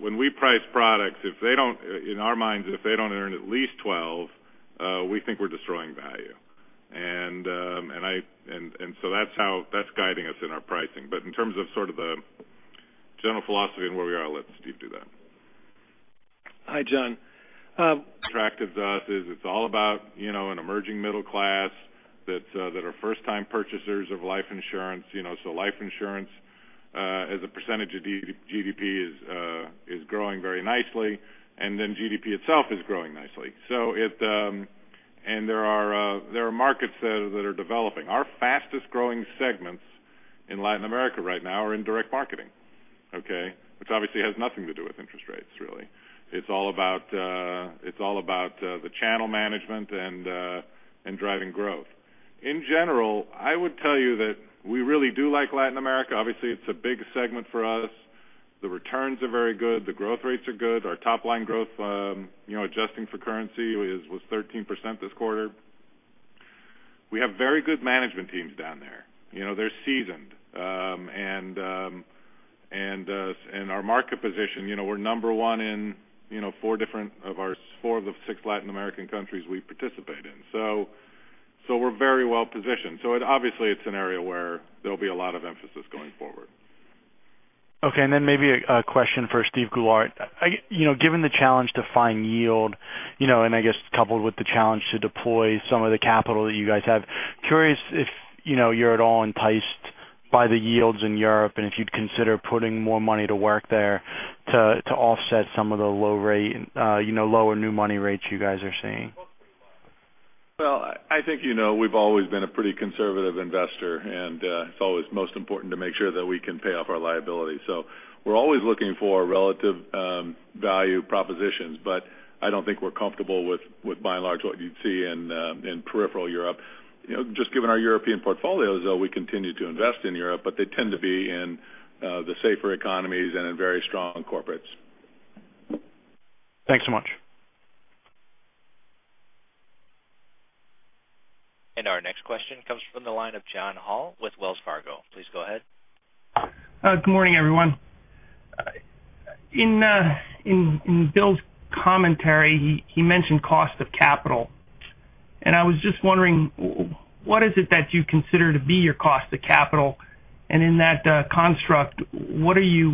S6: When we price products, in our minds, if they don't earn at least 12, we think we're destroying value. That's guiding us in our pricing. In terms of sort of the general philosophy and where we are, let Steve do that.
S3: Hi, John.
S6: Attracted to us is it's all about an emerging middle class that are first-time purchasers of life insurance. Life insurance, as a percentage of GDP, is growing very nicely, GDP itself is growing nicely. There are markets that are developing. Our fastest-growing segments in Latin America right now are in direct marketing, okay? Which obviously has nothing to do with interest rates, really. It's all about the channel management and driving growth. In general, I would tell you that we really do like Latin America. Obviously, it's a big segment for us. The returns are very good. The growth rates are good. Our top-line growth, adjusting for currency, was 13% this quarter. We have very good management teams down there. They're seasoned. Our market position, we're number one in four of the six Latin American countries we participate in. We're very well-positioned. Obviously, it's an area where there'll be a lot of emphasis going forward.
S11: Okay, maybe a question for Steven Goulart. Given the challenge to find yield, and I guess coupled with the challenge to deploy some of the capital that you guys have, curious if you're at all enticed by the yields in Europe and if you'd consider putting more money to work there to offset some of the lower new money rates you guys are seeing.
S8: Well, I think you know we've always been a pretty conservative investor, and it's always most important to make sure that we can pay off our liability. We're always looking for relative value propositions, but I don't think we're comfortable with, by and large, what you'd see in peripheral Europe. Just given our European portfolios, though, we continue to invest in Europe, but they tend to be in the safer economies and in very strong corporates.
S11: Thanks so much.
S1: Our next question comes from the line of John Hall with Wells Fargo. Please go ahead.
S12: Good morning, everyone. In Bill's commentary, he mentioned cost of capital. I was just wondering, what is it that you consider to be your cost of capital? In that construct, what are you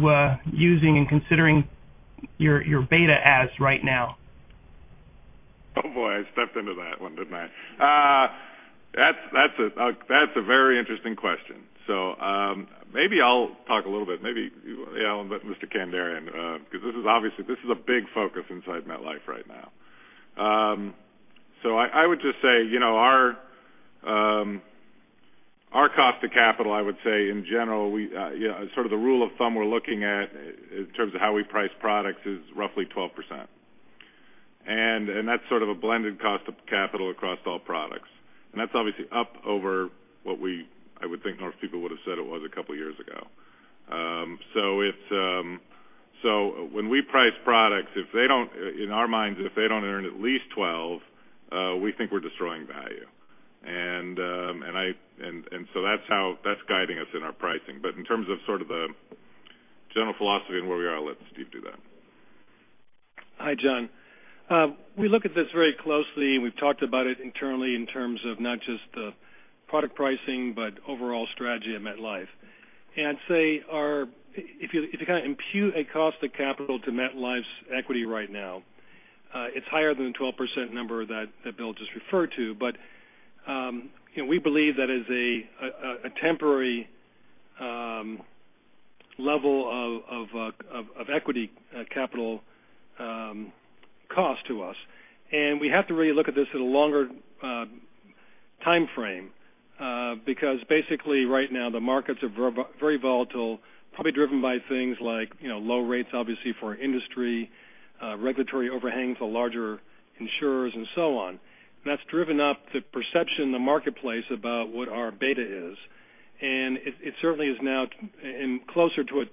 S12: using and considering your beta as right now?
S6: Oh, boy, I stepped into that one, didn't I? That's a very interesting question. Maybe I'll talk a little bit. Maybe Mr. Kandarian, because obviously, this is a big focus inside MetLife right now. I would just say our cost of capital, I would say in general, sort of the rule of thumb we're looking at in terms of how we price products is roughly 12%. That's sort of a blended cost of capital across all products. That's obviously up over what we, I would think most people would have said it was a couple of years ago. When we price products, in our minds, if they don't earn at least 12%, we think we're destroying value. That's guiding us in our pricing. In terms of sort of the general philosophy and where we are, let Steve do that.
S3: Hi, John. We look at this very closely, and we've talked about it internally in terms of not just the product pricing, but overall strategy at MetLife. I'd say if you kind of impute a cost of capital to MetLife's equity right now, it's higher than the 12% number that Bill just referred to. We believe that is a temporary level of equity capital cost to us, and we have to really look at this at a longer timeframe because basically right now the markets are very volatile, probably driven by things like low rates, obviously, for industry, regulatory overhangs of larger insurers, and so on. That's driven up the perception in the marketplace about what our beta is. It certainly is now closer to a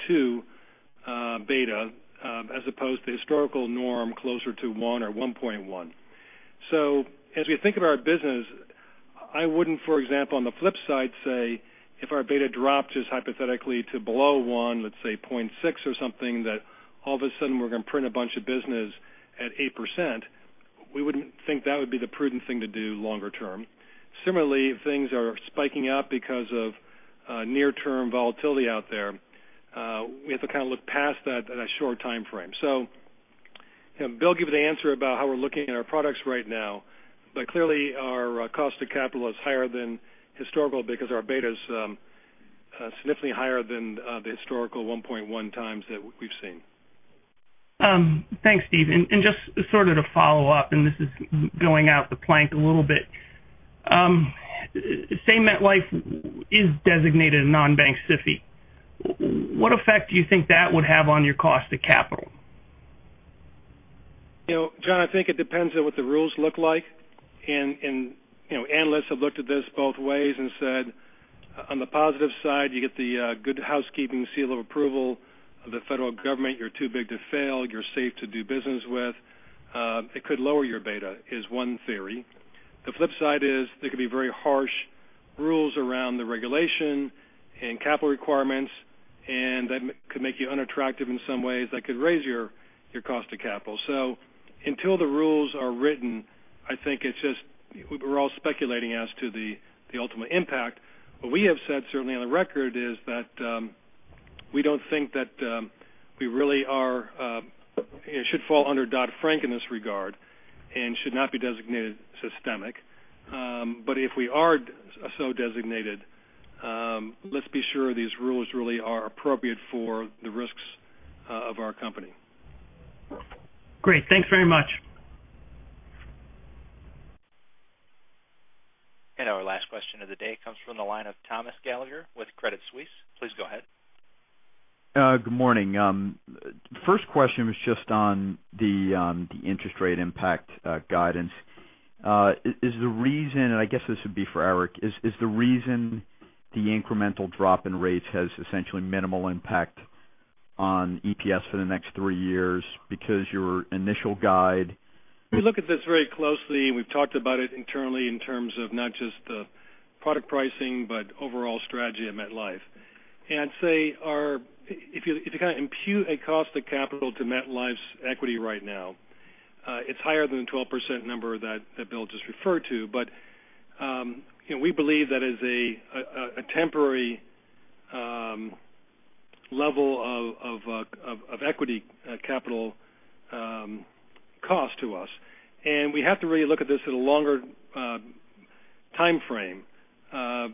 S3: two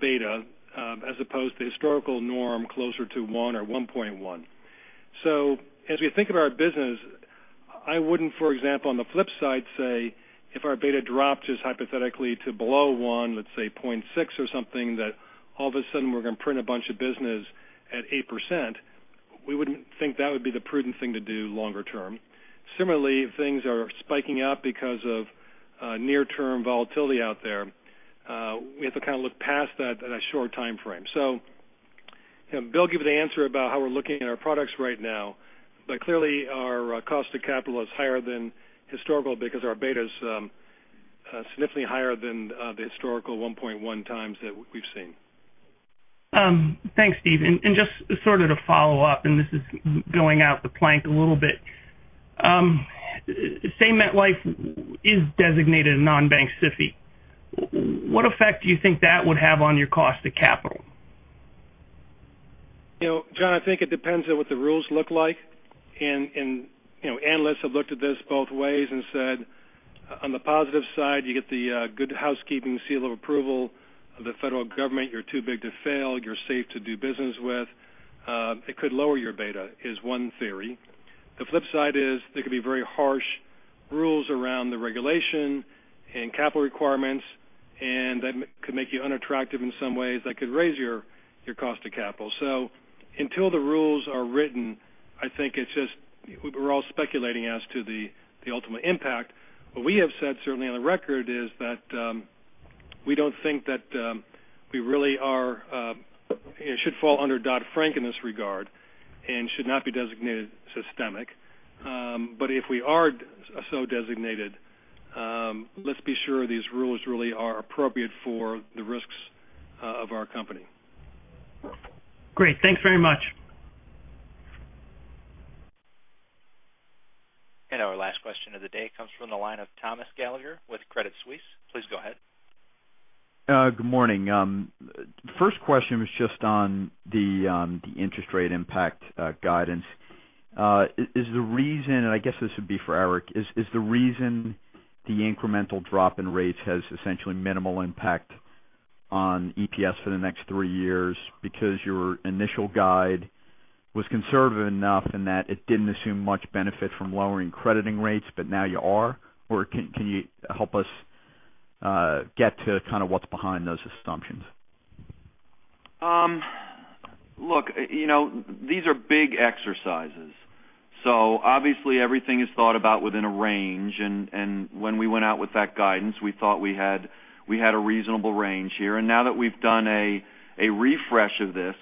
S3: beta as opposed to historical norm closer to one or 1.1. As we think of our business, I wouldn't, for example, on the flip side, say if our beta dropped just hypothetically to below one, let's say 0.6 or something, that all of a sudden we're going to print a bunch of business at 8%. We wouldn't think that would be the prudent thing to do longer term. Similarly, if things are spiking up because of near-term volatility out there, we have to kind of look past that in a short timeframe. Bill gave the answer about how we're looking at our products right now. Clearly, our cost of capital is higher than historical because our beta is significantly higher than the historical 1.1 times that we've seen.
S12: Thanks, Steve. Just sort of to follow up, and this is going out the plank a little bit. Say MetLife is designated a non-bank SIFI. What effect do you think that would have on your cost of capital?
S3: John, I think it depends on what the rules look like. Analysts have looked at this both ways and said, on the positive side, you get the good housekeeping seal of approval of the federal government. You're too big to fail. You're safe to do business with. It could lower your beta is one theory. The flip side is there could be very harsh rules around the regulation and capital requirements, and that could make you unattractive in some ways that could raise your cost of capital. Until the rules are written, I think it's just we're all speculating as to the ultimate impact. What we have said, certainly on the record, is that we don't think that we really should fall under Dodd-Frank in this regard and should not be designated systemic. If we are so designated, let's be sure these rules really are appropriate for the risks of our company.
S12: Great. Thanks very much.
S13: was conservative enough in that it didn't assume much benefit from lowering crediting rates, but now you are? Or can you help us get to kind of what's behind those assumptions?
S4: Look, these are big exercises, so obviously everything is thought about within a range. When we went out with that guidance, we thought we had a reasonable range here. Now that we've done a refresh of this,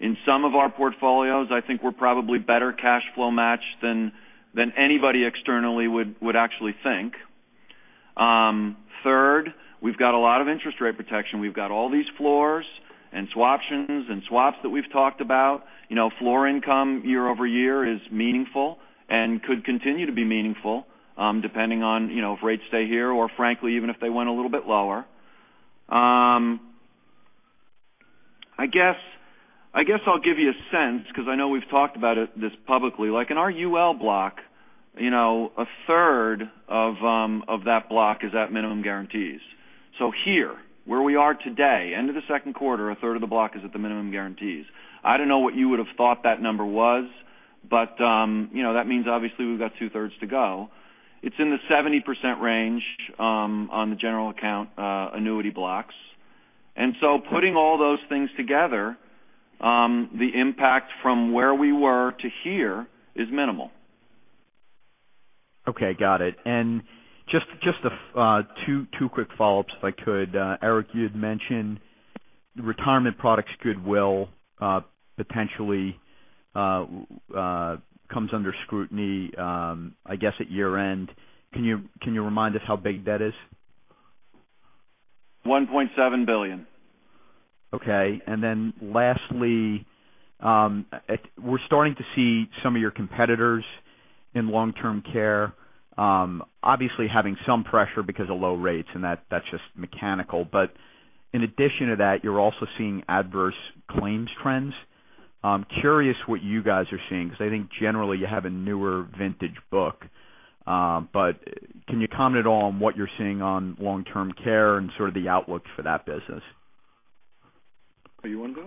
S4: In some of our portfolios, I think we're probably better cash flow matched than anybody externally would actually think. Third, we've got a lot of interest rate protection. We've got all these floors and swaptions and swaps that we've talked about. Floor income year-over-year is meaningful and could continue to be meaningful, depending on if rates stay here or frankly, even if they went a little bit lower. I guess I'll give you a sense, because I know we've talked about this publicly. Like in our UL block, a third of that block is at minimum guarantees. Here, where we are today, end of the second quarter, a third of the block is at the minimum guarantees. I don't know what you would have thought that number was, but that means obviously we've got two-thirds to go. It's in the 70% range on the general account annuity blocks. Putting all those things together, the impact from where we were to here is minimal.
S13: Okay. Got it. Just two quick follow-ups, if I could. Eric, you had mentioned retirement products goodwill potentially comes under scrutiny, I guess, at year-end. Can you remind us how big that is?
S4: $1.7 billion.
S13: Okay. Lastly, we're starting to see some of your competitors in long-term care obviously having some pressure because of low rates, and that's just mechanical. In addition to that, you're also seeing adverse claims trends. I'm curious what you guys are seeing, because I think generally you have a newer vintage book. Can you comment at all on what you're seeing on long-term care and sort of the outlook for that business?
S4: Oh,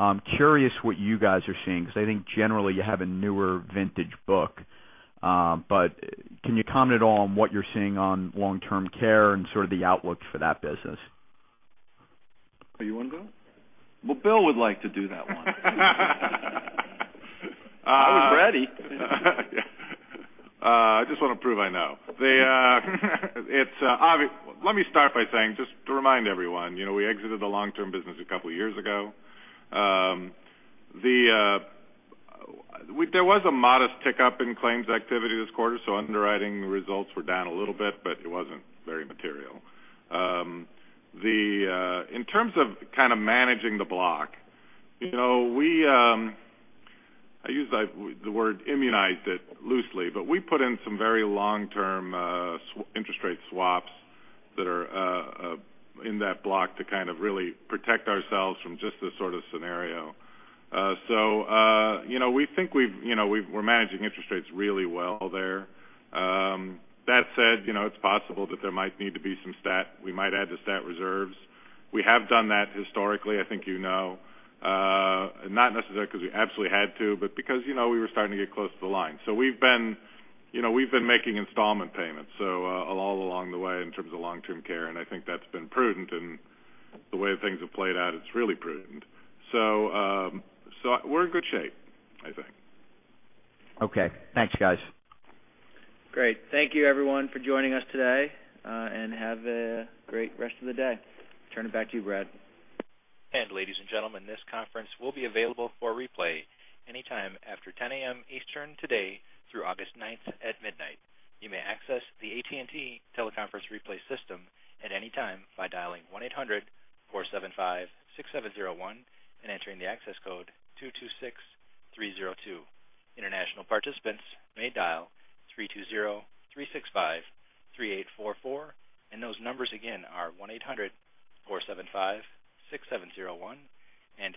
S4: you want to go?
S6: Well, Bill would like to do that one. I was ready. I just want to prove I know. Let me start by saying, just to remind everyone, we exited the long-term business a couple of years ago. There was a modest tick-up in claims activity this quarter, so underwriting results were down a little bit, but it wasn't very material. In terms of kind of managing the block, I use the word immunize it loosely, but we put in some very long-term interest rate swaps that are in that block to kind of really protect ourselves from just this sort of scenario. We think we're managing interest rates really well there. That said, it's possible that there might need to be some stat. We might add the stat reserves. We have done that historically, I think you know. Not necessarily because we absolutely had to, but because we were starting to get close to the line. We've been making installment payments, so all along the way in terms of long-term care, and I think that's been prudent, and the way things have played out, it's really prudent. We're in good shape, I think.
S13: Okay. Thanks, guys.
S4: Great. Thank you everyone for joining us today, and have a great rest of the day. Turn it back to you, Brad.
S1: Ladies and gentlemen, this conference will be available for replay anytime after 10:00 A.M. Eastern today through August ninth at midnight. You may access the AT&T teleconference replay system at any time by dialing 1-800-475-6701 and entering the access code 226302. International participants may dial 3203653844, and those numbers again are 1-800-475-6701 and